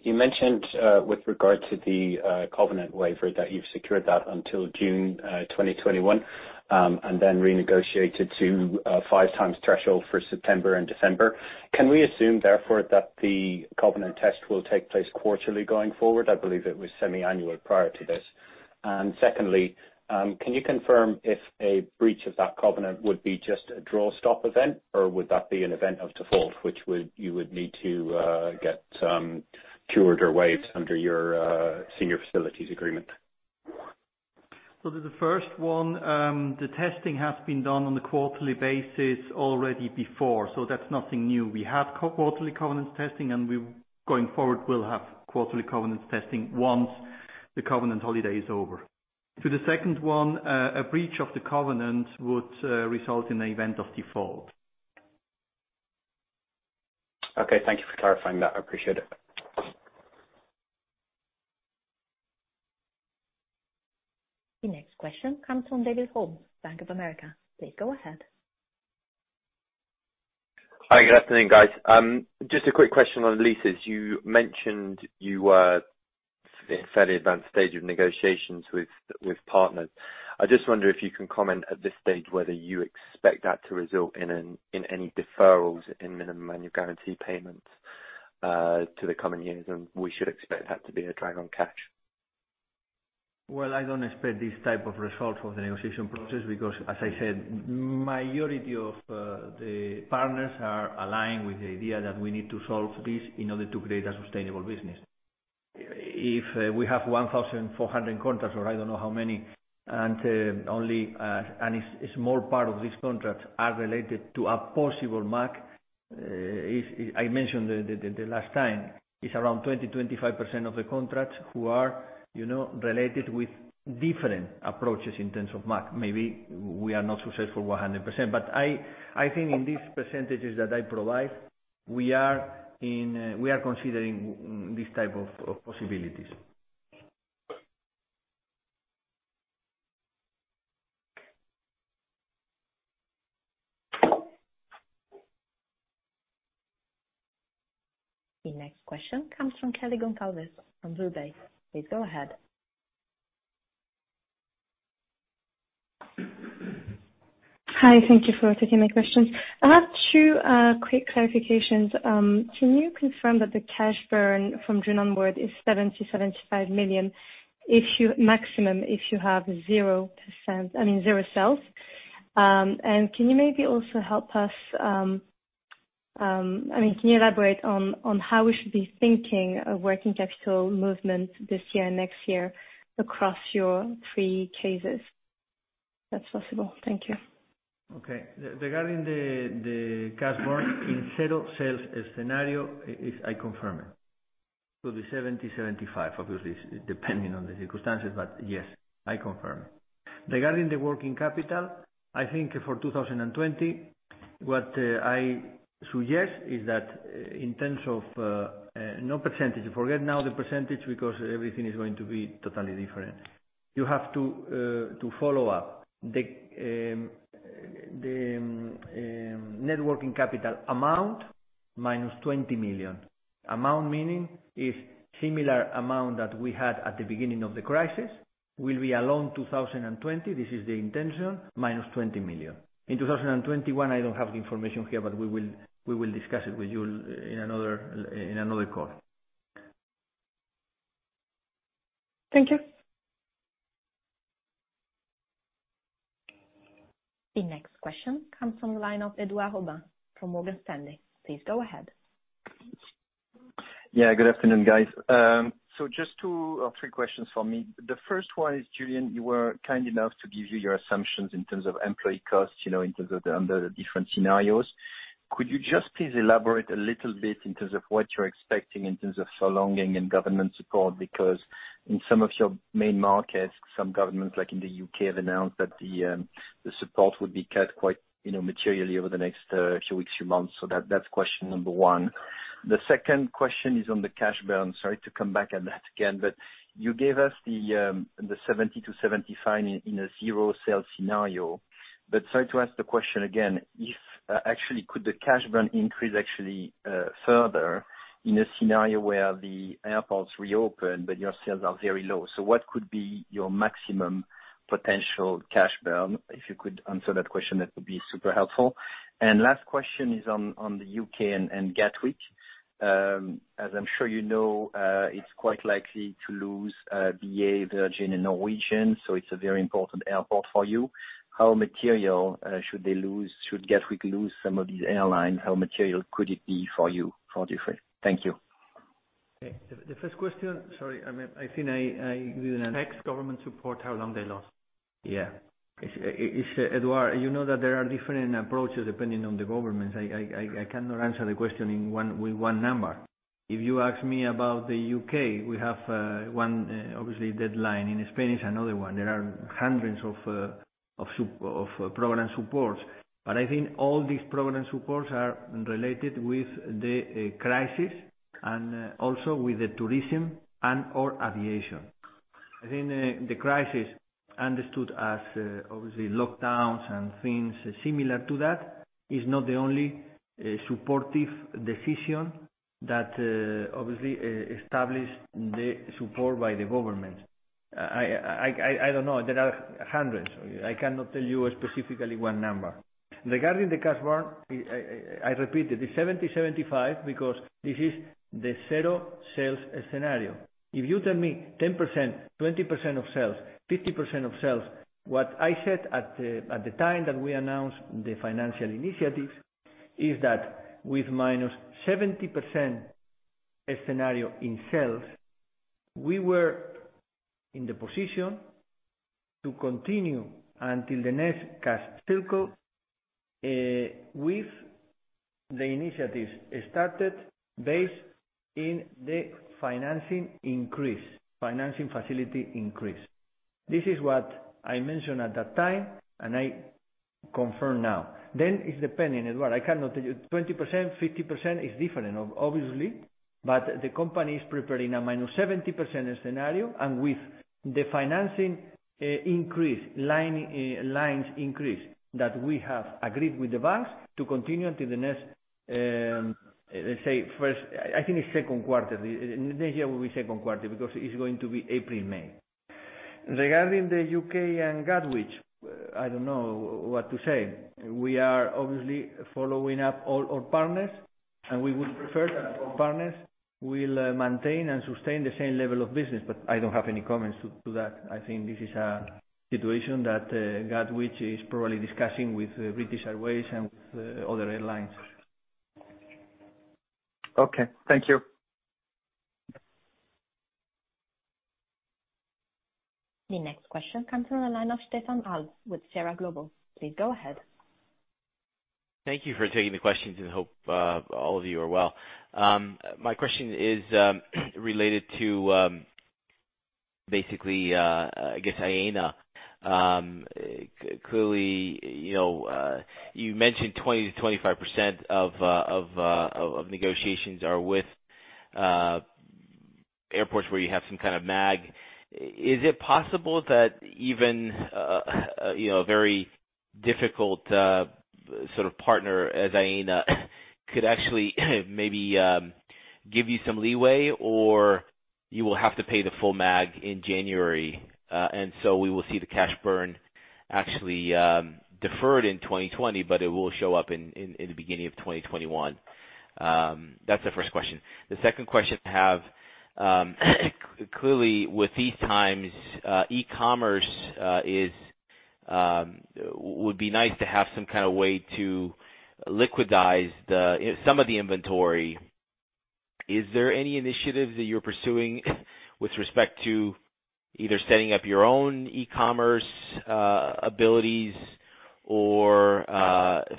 You mentioned, with regard to the covenant waiver, that you've secured that until June 2021, and then renegotiated to a 5 times threshold for September and December. Can we assume therefore that the covenant test will take place quarterly going forward? I believe it was semi-annual prior to this. Secondly, can you confirm if a breach of that covenant would be just a draw stop event, or would that be an event of default, which you would need to get cured or waived under your senior facilities agreement? To the first one, the testing has been done on the quarterly basis already before, so that's nothing new. We had quarterly covenant testing, and we, going forward, will have quarterly covenant testing once the covenant holiday is over. To the second one, a breach of the covenant would result in an event of default. Okay, thank you for clarifying that. I appreciate it. The next question comes from David Holmes, Bank of America. Please go ahead. Hi. Good afternoon, guys. Just a quick question on leases. You mentioned you were in a fairly advanced stage of negotiations with partners. I just wonder if you can comment at this stage whether you expect that to result in any deferrals in minimum guarantee payments to the coming years, and we should expect that to be a drag on cash. Well, I don't expect this type of result for the negotiation process because, as I said, majority of the partners are aligned with the idea that we need to solve this in order to create a sustainable business. If we have 1,400 contracts or I don't know how many, and a small part of these contracts are related to a possible MAC. I mentioned the last time, it's around 20%-25% of the contracts who are related with different approaches in terms of MAC. Maybe we are not successful 100%. I think in these percentages that I provide, we are considering these type of possibilities. The next question comes from Kelly Goncalves on BlueBay. Please go ahead. Hi. Thank you for taking my questions. I have two quick clarifications. Can you confirm that the cash burn from June onward is 70 million-75 million maximum if you have zero sales? Can you elaborate on how we should be thinking of working capital movement this year and next year across your three cases? If that's possible. Thank you. Okay. Regarding the cash burn in zero sales scenario, I confirm it. It will be 70, 75, obviously, depending on the circumstances, but yes, I confirm. Regarding the net working capital, I think for 2020, what I suggest is that in terms of no percentage, forget now the percentage because everything is going to be totally different. You have to follow up. The net working capital amount minus 20 million. Amount meaning, if similar amount that we had at the beginning of the crisis will be alone 2020, this is the intention, minus 20 million. In 2021, I don't have the information here, but we will discuss it with you in another call. Thank you. The next question comes from the line of Edouard Aubin from Morgan Stanley. Please go ahead. Yeah. Good afternoon, guys. Just two or three questions from me. The first one is, Julián, you were kind enough to give your assumptions in terms of employee costs, in terms of under the different scenarios. Could you just please elaborate a little bit in terms of what you're expecting in terms of prolonging and government support? Because in some of your main markets, some governments, like in the U.K., have announced that the support would be cut quite materially over the next few weeks, few months. That's question number one. The second question is on the cash burn. Sorry to come back on that again. You gave us the 70-75 in a zero sale scenario. Sorry to ask the question again. Actually, could the cash burn increase actually further in a scenario where the airports reopen but your sales are very low? What could be your maximum potential cash burn? If you could answer that question, that would be super helpful. Last question is on the U.K. and Gatwick. As I'm sure you know, it's quite likely to lose BA, Virgin, and Norwegian, so it's a very important airport for you. How material, should Gatwick lose some of these airlines, how material could it be for you, for Avolta? Thank you. Okay. Sorry, I think. Next government support, how long they last? Edouard, you know that there are different approaches depending on the governments. I cannot answer the question with one number. If you ask me about the U.K., we have one, obviously, deadline. In Spain, it's another one. There are hundreds of program supports. I think all these program supports are related with the crisis and also with the tourism and/or aviation. I think the crisis, understood as obviously lockdowns and things similar to that, is not the only supportive decision that obviously established the support by the government. I don't know. There are hundreds. I cannot tell you specifically one number. Regarding the cash burn, I repeat it's 70, 75, because this is the zero sales scenario. If you tell me 10%, 20% of sales, 50% of sales, what I said at the time that we announced the financial initiatives is that with minus 70% scenario in sales, we were in the position to continue until the next cash cycle with the initiatives started based in the financing increase, financing facility increase. This is what I mentioned at that time, and I confirm now. It's depending, Edouard. I cannot tell you, 20%, 50% is different, obviously. The company is preparing a minus 70% scenario, and with the financing increase, lines increase that we have agreed with the banks to continue until the next, let's say, first, I think it's second quarter. Next year will be second quarter because it's going to be April, May. Regarding the U.K. and Gatwick, I don't know what to say. We are obviously following up all our partners, and we would prefer that our partners will maintain and sustain the same level of business, but I don't have any comments to that. I think this is a situation that Gatwick is probably discussing with British Airways and with other airlines. Okay. Thank you. The next question comes on the line of Stefan Alb with Sierra Global. Please go ahead. Thank you for taking the questions. Hope all of you are well. My question is related to basically, I guess Aena. Clearly, you mentioned 20% to 25% of negotiations are with airports where you have some kind of MAG. Is it possible that even a very difficult sort of partner as Aena could actually maybe give you some leeway? You will have to pay the full MAG in January, and so we will see the cash burn actually deferred in 2020, but it will show up in the beginning of 2021? That's the first question. The second question I have, clearly with these times, e-commerce would be nice to have some way to liquidize some of the inventory. Is there any initiative that you're pursuing with respect to either setting up your own e-commerce abilities or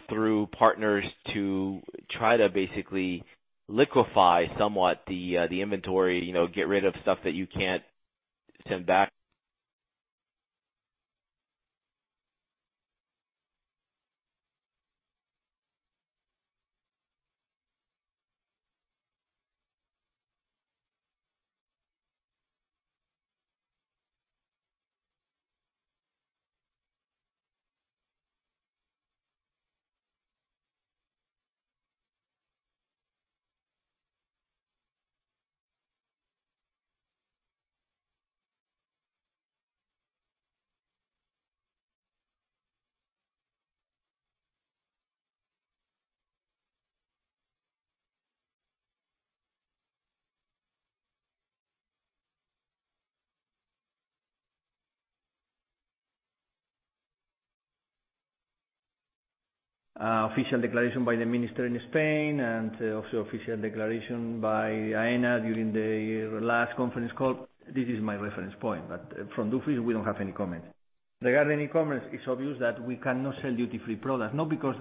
through partners to try to basically liquefy somewhat the inventory, get rid of stuff that you can't send back? Official declaration by the minister in Spain and also official declaration by AENA during the last conference call. This is my reference point. From Dufry, we don't have any comment. Regarding e-commerce, it's obvious that we cannot sell duty free products, not because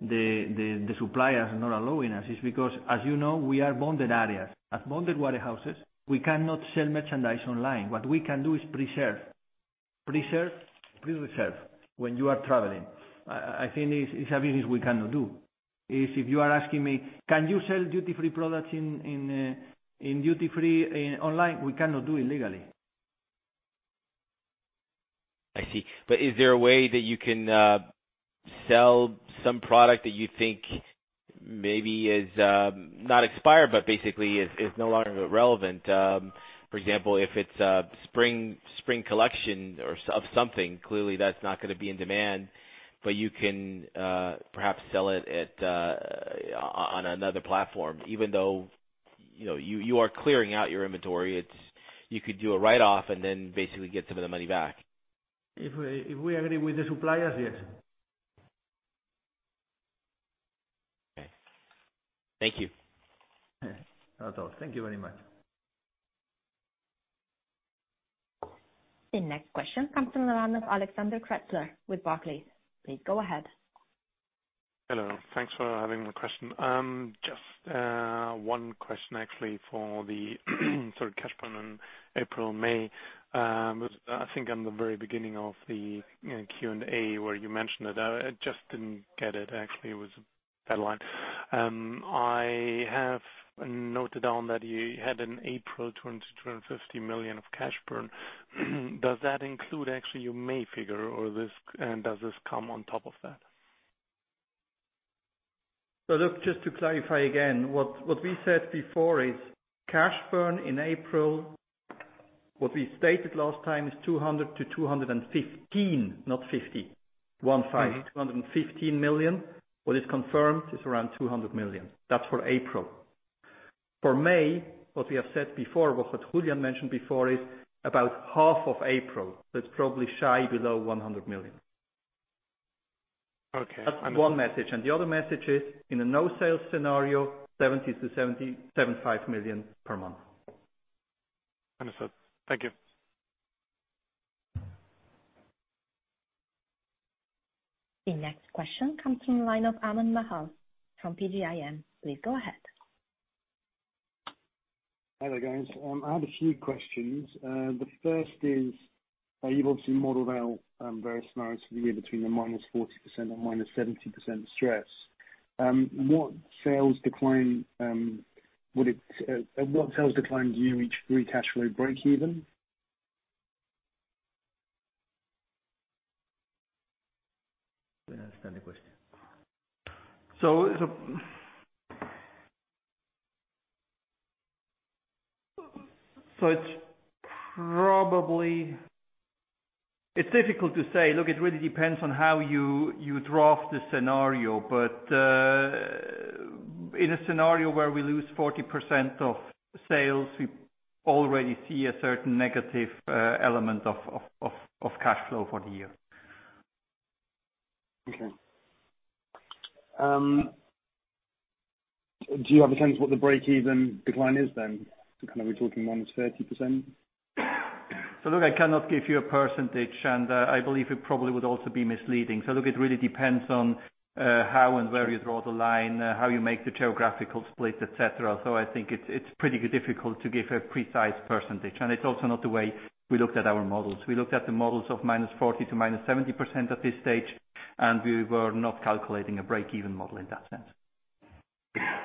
the suppliers are not allowing us. It's because, as you know, we are bonded areas. As bonded warehouses, we cannot sell merchandise online. What we can do is pre-reserve. Pre-reserve when you are traveling. I think this is a business we cannot do. If you are asking me, can you sell duty free products in duty free online? We cannot do it legally. I see. Is there a way that you can sell some product that you think maybe is not expired, but basically is no longer relevant? For example, if it's spring collection of something, clearly that's not going to be in demand, you can perhaps sell it on another platform, even though you are clearing out your inventory. You could do a write-off then basically get some of the money back. If we agree with the suppliers, yes. Okay. Thank you. Not at all. Thank you very much. The next question comes from the line of Alexander Kretzler with Barclays. Please go ahead. Hello. Thanks for having the question. Just one question actually for the cash burn in April and May. I think on the very beginning of the Q&A where you mentioned it, I just didn't get it actually, it was headline. I have noted down that you had in April, 20 million-215 million of cash burn. Does that include actually your May figure or does this come on top of that? Look, just to clarify again, what we said before is cash burn in April, what we stated last time is 200 to 215, not 50. One five. 215 million. What is confirmed is around 200 million. That's for April. For May, what we have said before, what Julián mentioned before is about half of April. It's probably shy below 100 million. Okay. That's one message. The other message is, in a no-sale scenario, 70 million-75 million per month. Understood. Thank you. The next question comes from the line of Aman Mahal from PGIM. Please go ahead. Hi there, guys. I have a few questions. The first is, you've obviously modeled out various scenarios for the year between the -40% and -70% stress. At what sales decline do you reach free cash flow breakeven? I don't understand the question. It's difficult to say. Look, it really depends on how you draft the scenario. In a scenario where we lose 40% of sales, we already see a certain negative element of cash flow for the year. Okay. Do you have a sense what the breakeven decline is then? Are we talking -30%? Look, I cannot give you a percentage, and I believe it probably would also be misleading. Look, it really depends on how and where you draw the line, how you make the geographical split, et cetera. I think it's pretty difficult to give a precise percentage. It's also not the way we looked at our models. We looked at the models of -40% to -70% at this stage, and we were not calculating a breakeven model in that sense.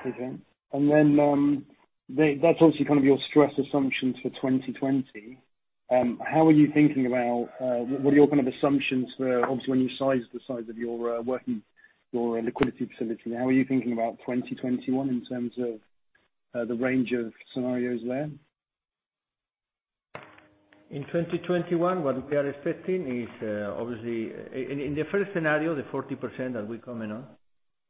Okay. That's obviously kind of your stress assumptions for 2020. What are your kind of assumptions for obviously when you size the size of your liquidity facility? How are you thinking about 2021 in terms of the range of scenarios there? In 2021, what we are expecting is obviously. In the first scenario, the 40% that we comment on,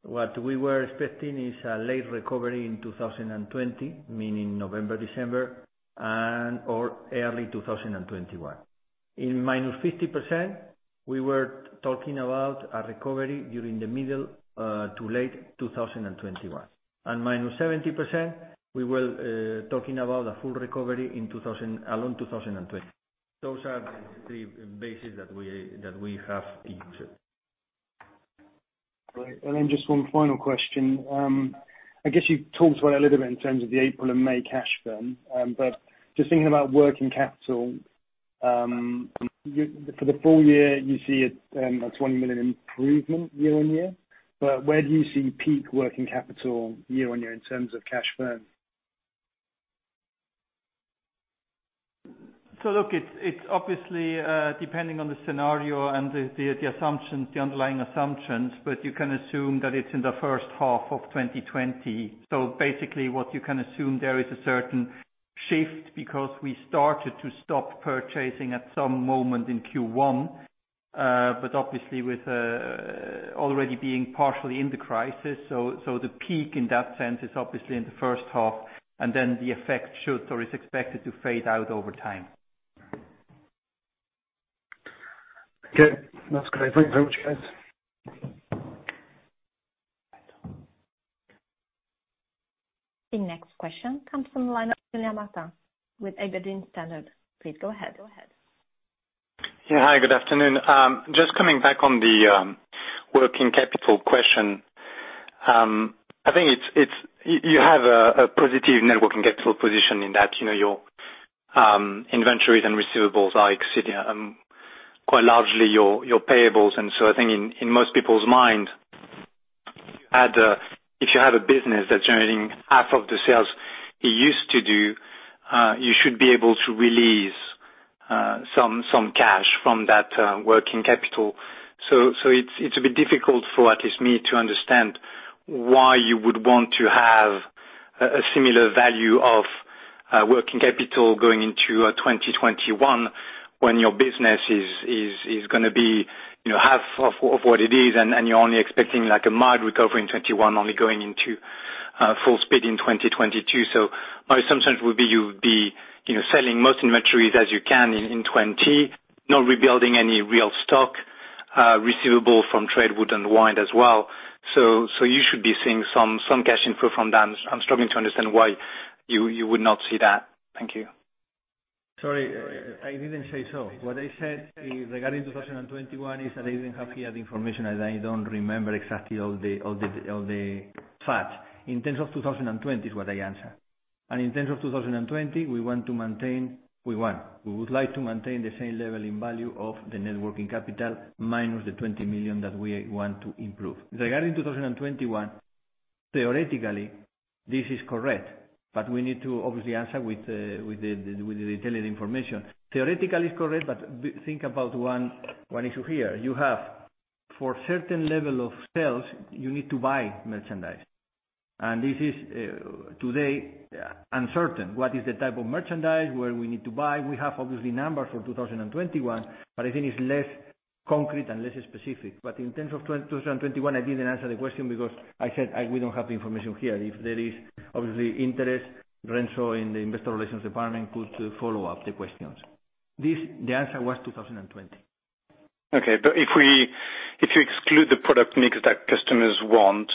what we were expecting is a late recovery in 2020, meaning November, December, and/or early 2021. In minus 50%, we were talking about a recovery during the middle to late 2021. Minus 70%, we were talking about a full recovery along 2020. Those are the three bases that we have featured. Great. Just one final question. I guess you talked about it a little bit in terms of the April and May cash burn. Just thinking about working capital, for the full year, you see a 20 million improvement year-on-year. Where do you see peak working capital year-on-year in terms of cash burn? Look, it's obviously depending on the scenario and the underlying assumptions, but you can assume that it's in the first half of 2020. Basically what you can assume there is a certain shift because we started to stop purchasing at some moment in Q1. Obviously with already being partially in the crisis, the peak in that sense is obviously in the first half, and then the effect should or is expected to fade out over time. Okay. That's great. Thank you very much, guys. The next question comes from the line of Julien Martin with Aberdeen Standard. Please go ahead. Yeah. Hi, good afternoon. Just coming back on the working capital question. I think you have a positive net working capital position in that, your inventories and receivables are exceeding quite largely your payables. I think in most people's mind, if you have a business that's generating half of the sales it used to do, you should be able to release some cash from that working capital. It's a bit difficult for at least me to understand why you would want to have a similar value of working capital going into 2021 when your business is going to be half of what it is. You're only expecting a mild recovery in 2021, only going into full speed in 2022. My assumption would be you would be selling most inventories as you can in 2020, not rebuilding any real stock, receivable from trade would unwind as well. You should be seeing some cash inflow from that. I'm struggling to understand why you would not see that. Thank you. Sorry, I didn't say so. What I said is regarding 2021, is that I didn't have here the information and I don't remember exactly all the facts. In terms of 2020 is what I answered. In terms of 2020, we would like to maintain the same level and value of the net working capital minus the 20 million that we want to improve. Regarding 2021, theoretically, this is correct, we need to obviously answer with the detailed information. Theoretically, it's correct, think about one issue here. You have, for certain level of sales, you need to buy merchandise. This is, today, uncertain what is the type of merchandise, where we need to buy. We have, obviously, numbers for 2021, I think it's less concrete and less specific. In terms of 2021, I didn't answer the question because I said we don't have the information here. If there is obviously interest, Renzo in the Investor Relations department could follow up the questions. The answer was 2020. Okay. If you exclude the product mix that customers want,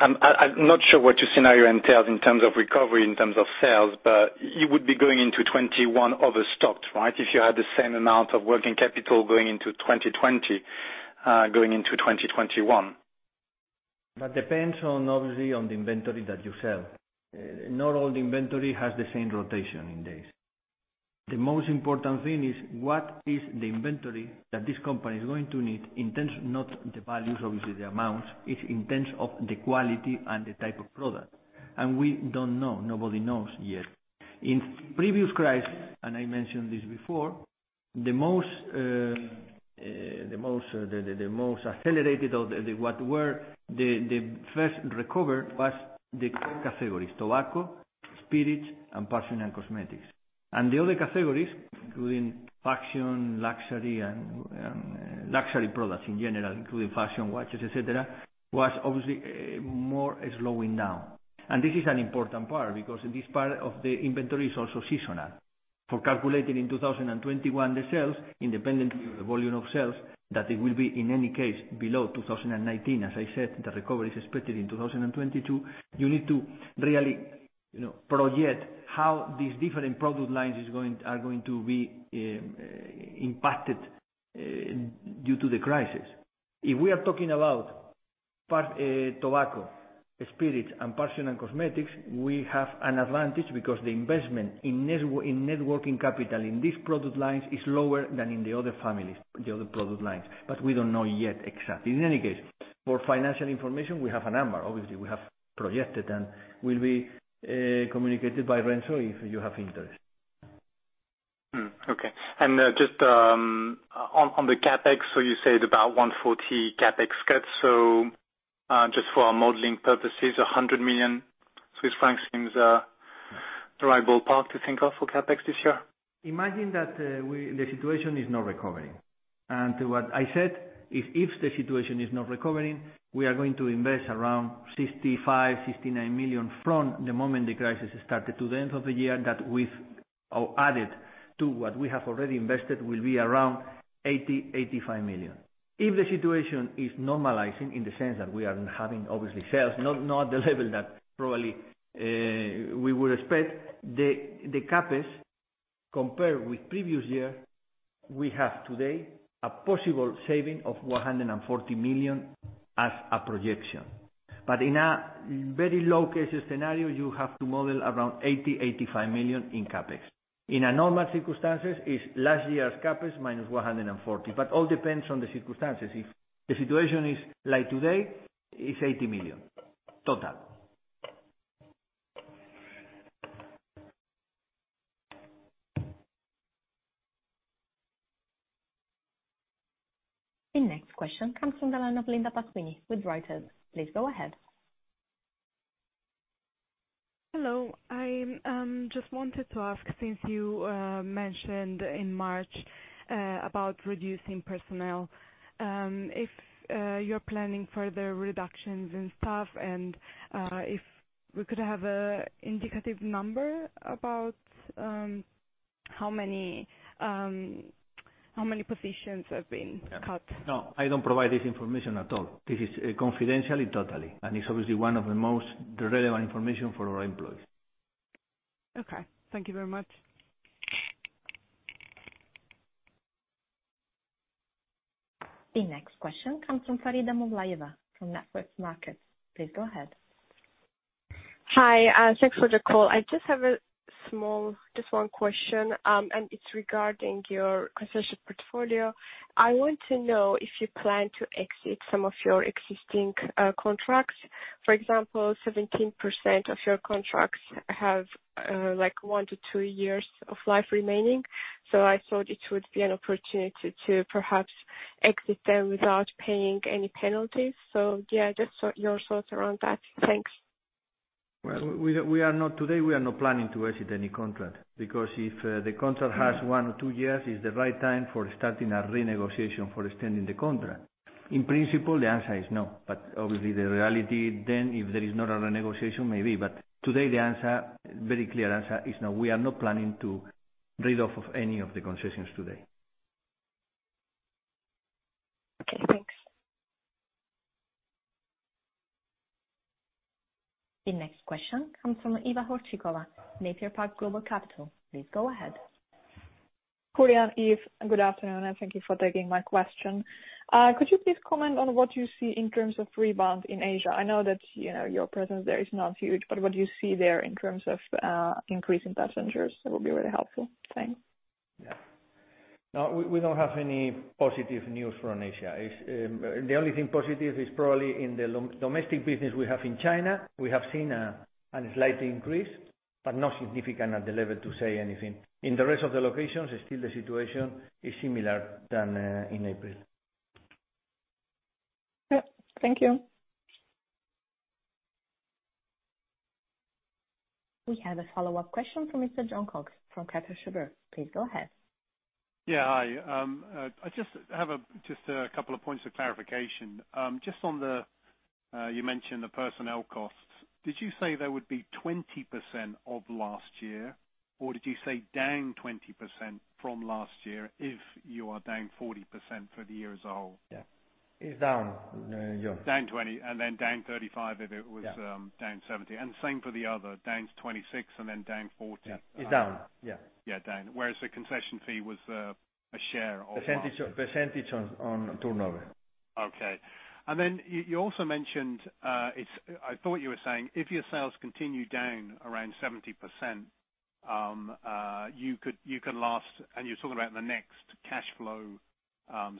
I'm not sure what your scenario entails in terms of recovery, in terms of sales, but you would be going into 2021 overstocked, right, if you had the same amount of working capital going into 2020, going into 2021? That depends on, obviously, on the inventory that you sell. Not all the inventory has the same rotation in days. The most important thing is what is the inventory that this company is going to need in terms, not the values, obviously the amounts. It's in terms of the quality and the type of product. We don't know. Nobody knows yet. In previous crisis, and I mentioned this before, the most accelerated or what were the first recovered was the categories tobacco, spirits, and personal cosmetics. The other categories, including fashion, luxury, and luxury products in general, including fashion watches, et cetera, was obviously more slowing down. This is an important part because this part of the inventory is also seasonal. For calculating in 2021, the sales, independently of the volume of sales, that it will be, in any case, below 2019. As I said, the recovery is expected in 2022. You need to really project how these different product lines are going to be impacted due to the crisis. If we are talking about tobacco, spirits, and personal cosmetics, we have an advantage because the investment in net working capital in these product lines is lower than in the other families, the other product lines. We don't know yet exactly. In any case, for financial information, we have a number. Obviously, we have projected and will be communicated by Renzo if you have interest. Okay. Just on the CapEx, you said about 140 CapEx cuts. just for our modeling purposes, 100 million Swiss francs seems a reliable part to think of for CapEx this year? Imagine that the situation is not recovering. What I said is, if the situation is not recovering, we are going to invest around 65 million-69 million from the moment the crisis started to the end of the year, that we've added to what we have already invested, will be around 80 million-85 million. If the situation is normalizing in the sense that we are having, obviously, sales, not at the level that probably we would expect, the CapEx compared with previous year, we have today a possible saving of 140 million as a projection. In a very low case scenario, you have to model around 80 million-85 million in CapEx. In a normal circumstances, it's last year's CapEx minus 140. All depends on the circumstances. If the situation is like today, it's 80 million total. The next question comes from the line of Linda Pasquini with Reuters. Please go ahead. Hello. I just wanted to ask, since you mentioned in March about reducing personnel, if you're planning further reductions in staff and if we could have an indicative number about how many positions have been cut? No, I don't provide this information at all. This is confidential totally, and it's obviously one of the most relevant information for our employees. Okay. Thank you very much. The next question comes from Farida Movlayeva from Network Markets. Please go ahead. Hi. Thanks for the call. I just have a small, just one question, and it's regarding your concession portfolio. I want to know if you plan to exit some of your existing contracts. For example, 17% of your contracts like one to two years of life remaining. I thought it would be an opportunity to perhaps exit them without paying any penalties. Yeah, just your thoughts around that. Thanks. Well, today, we are not planning to exit any contract, because if the contract has one or two years, it's the right time for starting a renegotiation for extending the contract. In principle, the answer is no, but obviously the reality then, if there is not a renegotiation, may be. Today, the very clear answer is no. We are not planning to rid off of any of the concessions today. Okay, thanks. The next question comes from Iva Horcikova, Napier Park Global Capital. Please go ahead. Julián, Yves, good afternoon, and thank you for taking my question. Could you please comment on what you see in terms of rebound in Asia? I know that your presence there is not huge, but what do you see there in terms of increase in passengers? That would be really helpful. Thanks. Yeah. No, we don't have any positive news from Asia. The only thing positive is probably in the domestic business we have in China. We have seen a slight increase, but not significant at the level to say anything. In the rest of the locations, still the situation is similar than in April. Yep. Thank you. We have a follow-up question from Mr. Jon Cox from Deutsche Bank. Please go ahead. Yeah. Hi, I just have a couple of points of clarification. Just on the, you mentioned the personnel costs. Did you say there would be 20% of last year, or did you say down 20% from last year if you are down 40% for the year as a whole? Yeah. It's down, Jon. Down 20, and then down 35 if it was. Yeah down 70. Same for the other, down to 26 and then down 14. Yeah. It's down. Yeah. Yeah, down. Whereas the concession fee was a share of last. Percentage on turnover. Okay. You also mentioned, I thought you were saying if your sales continue down around 70%, you can last, and you're talking about the next cashflow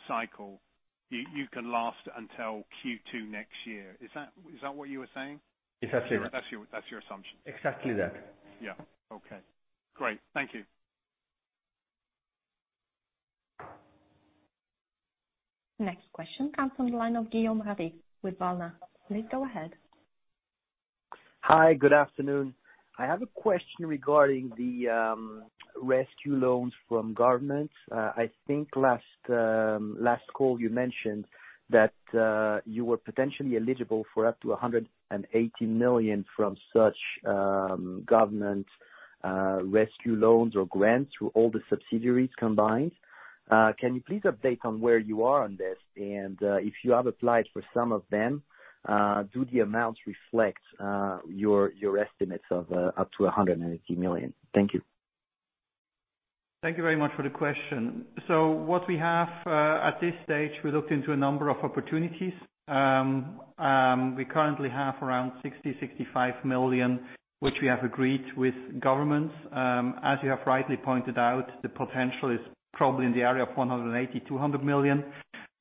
cycle, you can last until Q2 next year. Is that what you were saying? Exactly right. That's your assumption. Exactly that. Yeah. Okay. Great. Thank you. Next question comes from the line of Guillaume Ravic with Balna. Please go ahead. Hi, good afternoon. I have a question regarding the rescue loans from government. I think last call you mentioned that you were potentially eligible for up to 180 million from such government rescue loans or grants through all the subsidiaries combined. Can you please update on where you are on this? If you have applied for some of them, do the amounts reflect your estimates of up to 180 million? Thank you. Thank you very much for the question. What we have at this stage, we looked into a number of opportunities. We currently have around 60 million-65 million, which we have agreed with governments. As you have rightly pointed out, the potential is probably in the area of 180 million-200 million.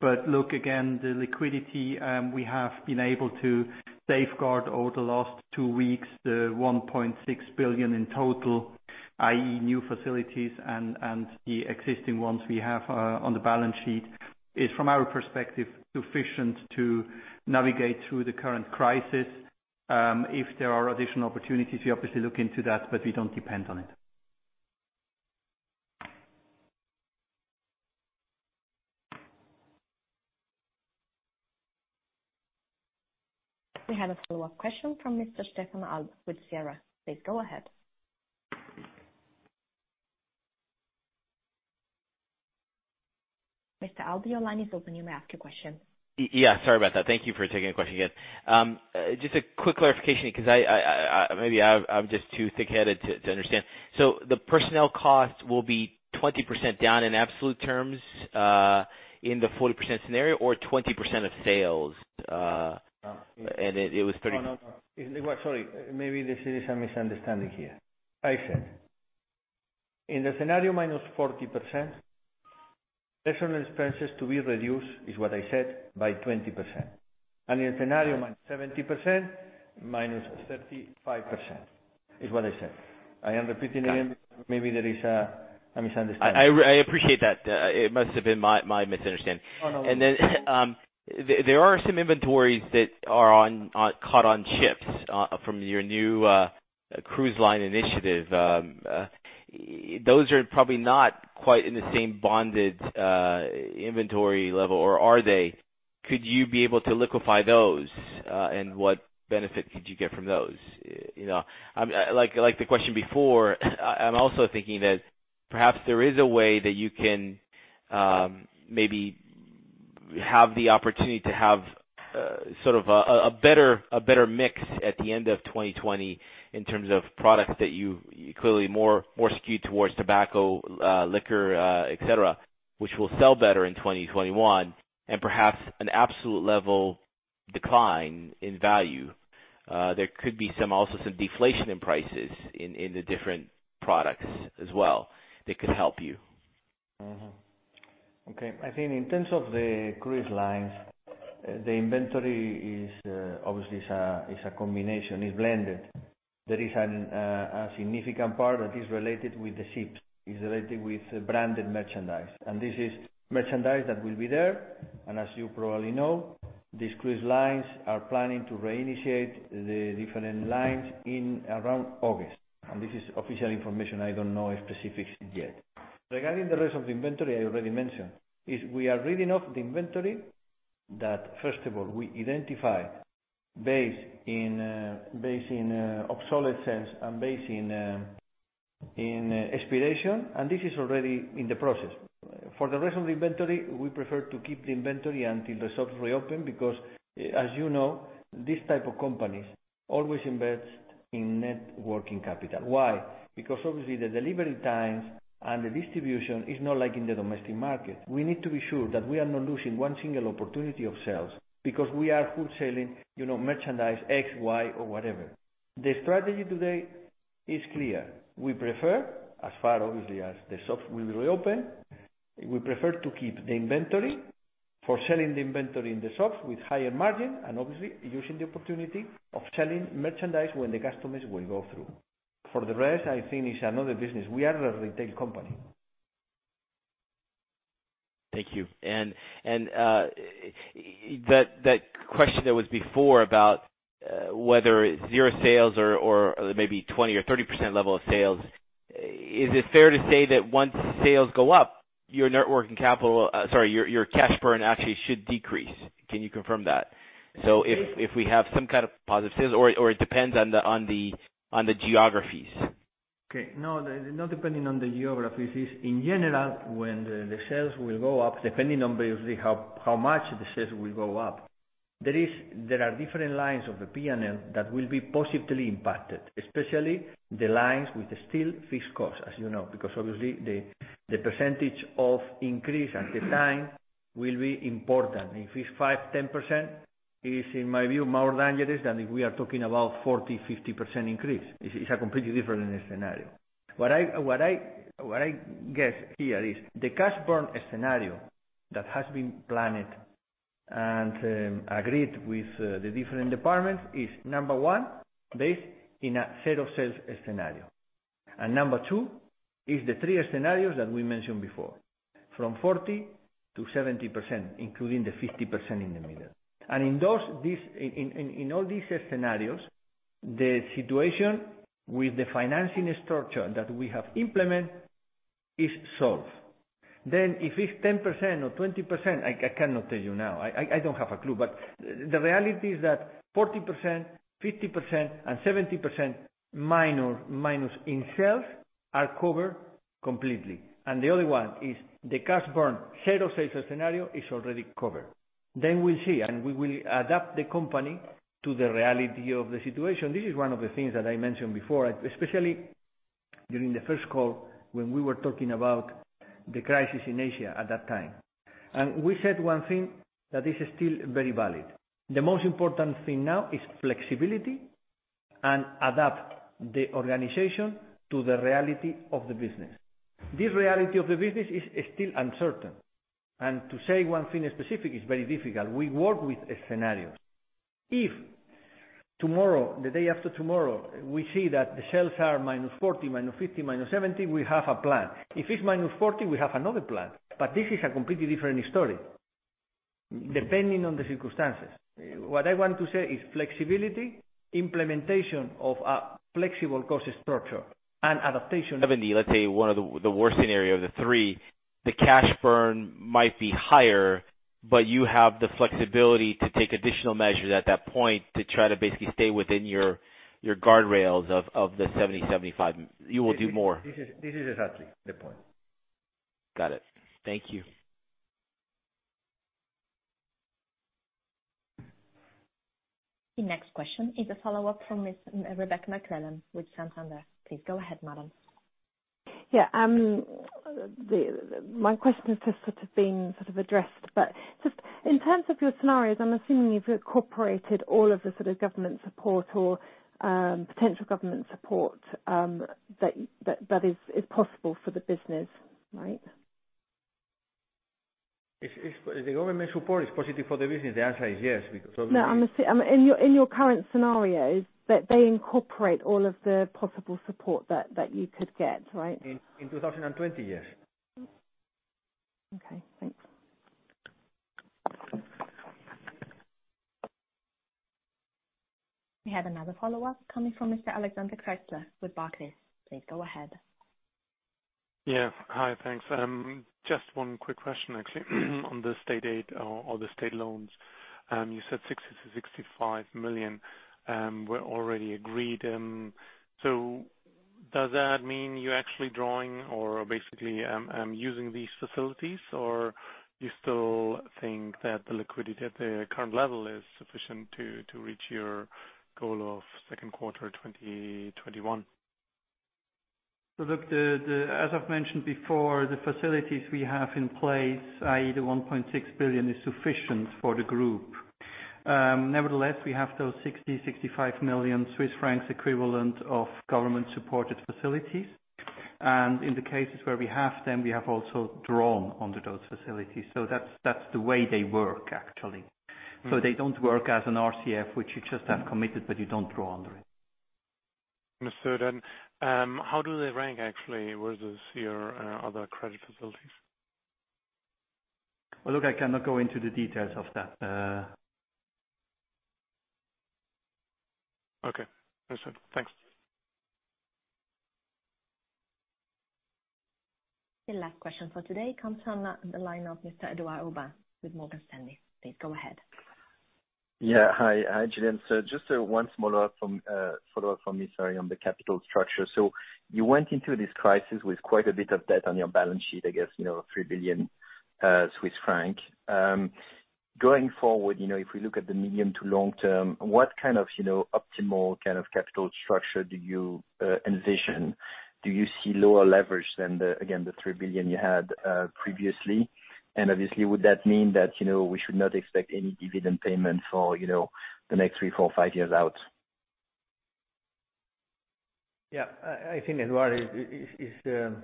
Look again, the liquidity we have been able to safeguard over the last two weeks, the 1.6 billion in total, i.e. new facilities and the existing ones we have on the balance sheet, is from our perspective, sufficient to navigate through the current crisis. If there are additional opportunities, we obviously look into that, but we don't depend on it. We have a follow-up question from Mr. Stefan Alb with Sierra. Please go ahead. Mr. Alb, your line is open. You may ask your question. Yeah, sorry about that. Thank you for taking the question again. Just a quick clarification, because maybe I'm just too thick-headed to understand. The personnel costs will be 20% down in absolute terms, in the 40% scenario or 20% of sales? No. Sorry. Maybe this is a misunderstanding here. I said, in the scenario -40%, personal expenses to be reduced, is what I said, by 20%. In scenario -70%, -35%, is what I said. I am repeating again. Maybe there is a misunderstanding. I appreciate that. It must have been my misunderstanding. No. There are some inventories that are caught on ships, from your new cruise line initiative. Those are probably not quite in the same bonded inventory level, or are they? Could you be able to liquefy those? What benefit could you get from those? Like the question before, I'm also thinking that perhaps there is a way that you can maybe have the opportunity to have sort of a better mix at the end of 2020 in terms of products that you clearly more skewed towards tobacco, liquor, et cetera, which will sell better in 2021, and perhaps an absolute level decline in value. There could be also some deflation in prices in the different products as well that could help you. Okay. I think in terms of the cruise lines, the inventory is obviously a combination. It's blended. There is a significant part that is related with the ships, is related with branded merchandise. This is merchandise that will be there. As you probably know, these cruise lines are planning to reinitiate the different lines in around August. This is official information. I don't know specifics yet. Regarding the rest of the inventory, I already mentioned, is we are reading off the inventory that first of all, we identify based on obsolescence and based on expiration, and this is already in the process. For the rest of the inventory, we prefer to keep the inventory until the shops reopen, because, as you know, these type of companies always invest in net working capital. Why? Obviously the delivery times and the distribution is not like in the domestic market. We need to be sure that we are not losing one single opportunity of sales because we are wholesaling merchandise X, Y, or whatever. The strategy today is clear. We prefer, as far obviously as the shops will reopen, we prefer to keep the inventory for selling the inventory in the shops with higher margin and obviously using the opportunity of selling merchandise when the customers will go through. For the rest, I think it's another business. We are a retail company. Thank you. That question that was before about whether zero sales or maybe 20% or 30% level of sales, is it fair to say that once sales go up, your cash burn actually should decrease? Can you confirm that? If we have some kind of positive sales or it depends on the geographies. Okay. No, not depending on the geographies. In general, when the sales will go up, depending on basically how much the sales will go up, there are different lines of the P&L that will be positively impacted, especially the lines with still fixed costs, as you know, because obviously the percentage of increase at the time will be important. If it's 5%, 10%, is, in my view, more dangerous than if we are talking about 40%, 50% increase. It's a completely different scenario. What I get here is the cash burn scenario that has been planned and agreed with the different departments is, number one, based in a zero sales scenario. Number two is the 3 scenarios that we mentioned before, from 40%-70%, including the 50% in the middle. In all these scenarios, the situation with the financing structure that we have implemented is solved. If it's 10% or 20%, I cannot tell you now. I don't have a clue, but the reality is that 40%, 50%, and 70% minus in sales are covered completely. The other one is the cash burn zero sales scenario is already covered. We'll see, and we will adapt the company to the reality of the situation. This is one of the things that I mentioned before, especially during the first call when we were talking about the crisis in Asia at that time. We said one thing that is still very valid. The most important thing now is flexibility and adapt the organization to the reality of the business. This reality of the business is still uncertain, and to say one thing specific is very difficult. We work with scenarios. If tomorrow, the day after tomorrow, we see that the sales are minus 40, minus 50, minus 70, we have a plan. If it's minus 40, we have another plan. This is a completely different story, depending on the circumstances. What I want to say is flexibility, implementation of a flexible cost structure. Let's say one of the worst scenario of the three, the cash burn might be higher. You have the flexibility to take additional measures at that point to try to basically stay within your guardrails of the 70-75. You will do more. This is exactly the point. Got it. Thank you. The next question is a follow-up from Miss Rebecca McClellan with Santander. Please go ahead, madam. Yeah. My question has sort of been sort of addressed, but just in terms of your scenarios, I'm assuming you've incorporated all of the sort of government support or potential government support that is possible for the business, right? If the government support is positive for the business, the answer is yes. No, in your current scenarios, that they incorporate all of the possible support that you could get, right? In 2020, yes. Okay, thanks. We have another follow-up coming from Mr. Alexander Kretzler with Barclays. Please go ahead. Yeah. Hi, thanks. Just one quick question, actually, on the state aid or the state loans. You said 60 million-65 million were already agreed. Does that mean you're actually drawing or basically using these facilities, or you still think that the liquidity at the current level is sufficient to reach your goal of second quarter 2021? Look, as I've mentioned before, the facilities we have in place, i.e., the 1.6 billion, is sufficient for the group. Nevertheless, we have those 60, 65 million equivalent of government-supported facilities. In the cases where we have them, we have also drawn under those facilities. That's the way they work, actually. They don't work as an RCF, which you just have committed, but you don't draw under it. Understood. How do they rank, actually, versus your other credit facilities? Look, I cannot go into the details of that. Okay. Understood. Thanks. The last question for today comes from the line of Mr. Edouard Aubin with Morgan Stanley. Please go ahead. Hi, Julian. Just one follow-up from me, sorry, on the capital structure. You went into this crisis with quite a bit of debt on your balance sheet, I guess, 3 billion Swiss franc. Going forward, if we look at the medium to long term, what kind of optimal capital structure do you envision? Do you see lower leverage than, again, the 3 billion you had previously? Obviously, would that mean that we should not expect any dividend payment for the next three, four, five years out? I think Edouard,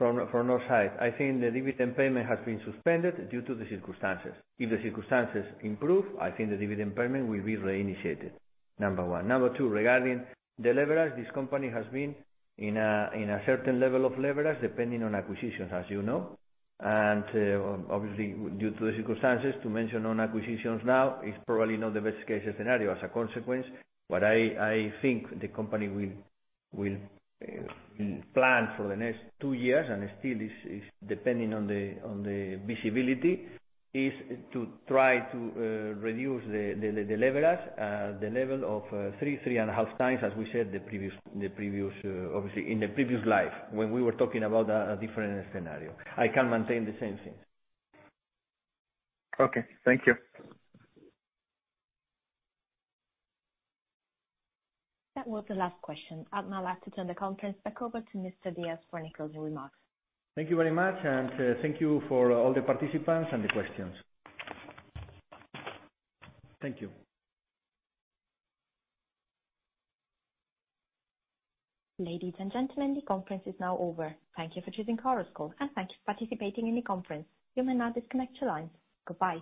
from our side, I think the dividend payment has been suspended due to the circumstances. If the circumstances improve, I think the dividend payment will be reinitiated, number one. Number two, regarding the leverage, this company has been in a certain level of leverage, depending on acquisitions, as you know. Obviously, due to the circumstances, to mention on acquisitions now is probably not the best case scenario as a consequence. What I think the company will plan for the next two years, and still is depending on the visibility, is to try to reduce the leverage. The level of three and a half times as we said obviously in the previous life, when we were talking about a different scenario. I can maintain the same thing. Okay. Thank you. That was the last question. I'd now like to turn the conference back over to Mr. Díaz for any closing remarks. Thank you very much, and thank you for all the participants and the questions. Thank you. Ladies and gentlemen, the conference is now over. Thank you for choosing Chorus Call, and thank you for participating in the conference. You may now disconnect your lines. Goodbye.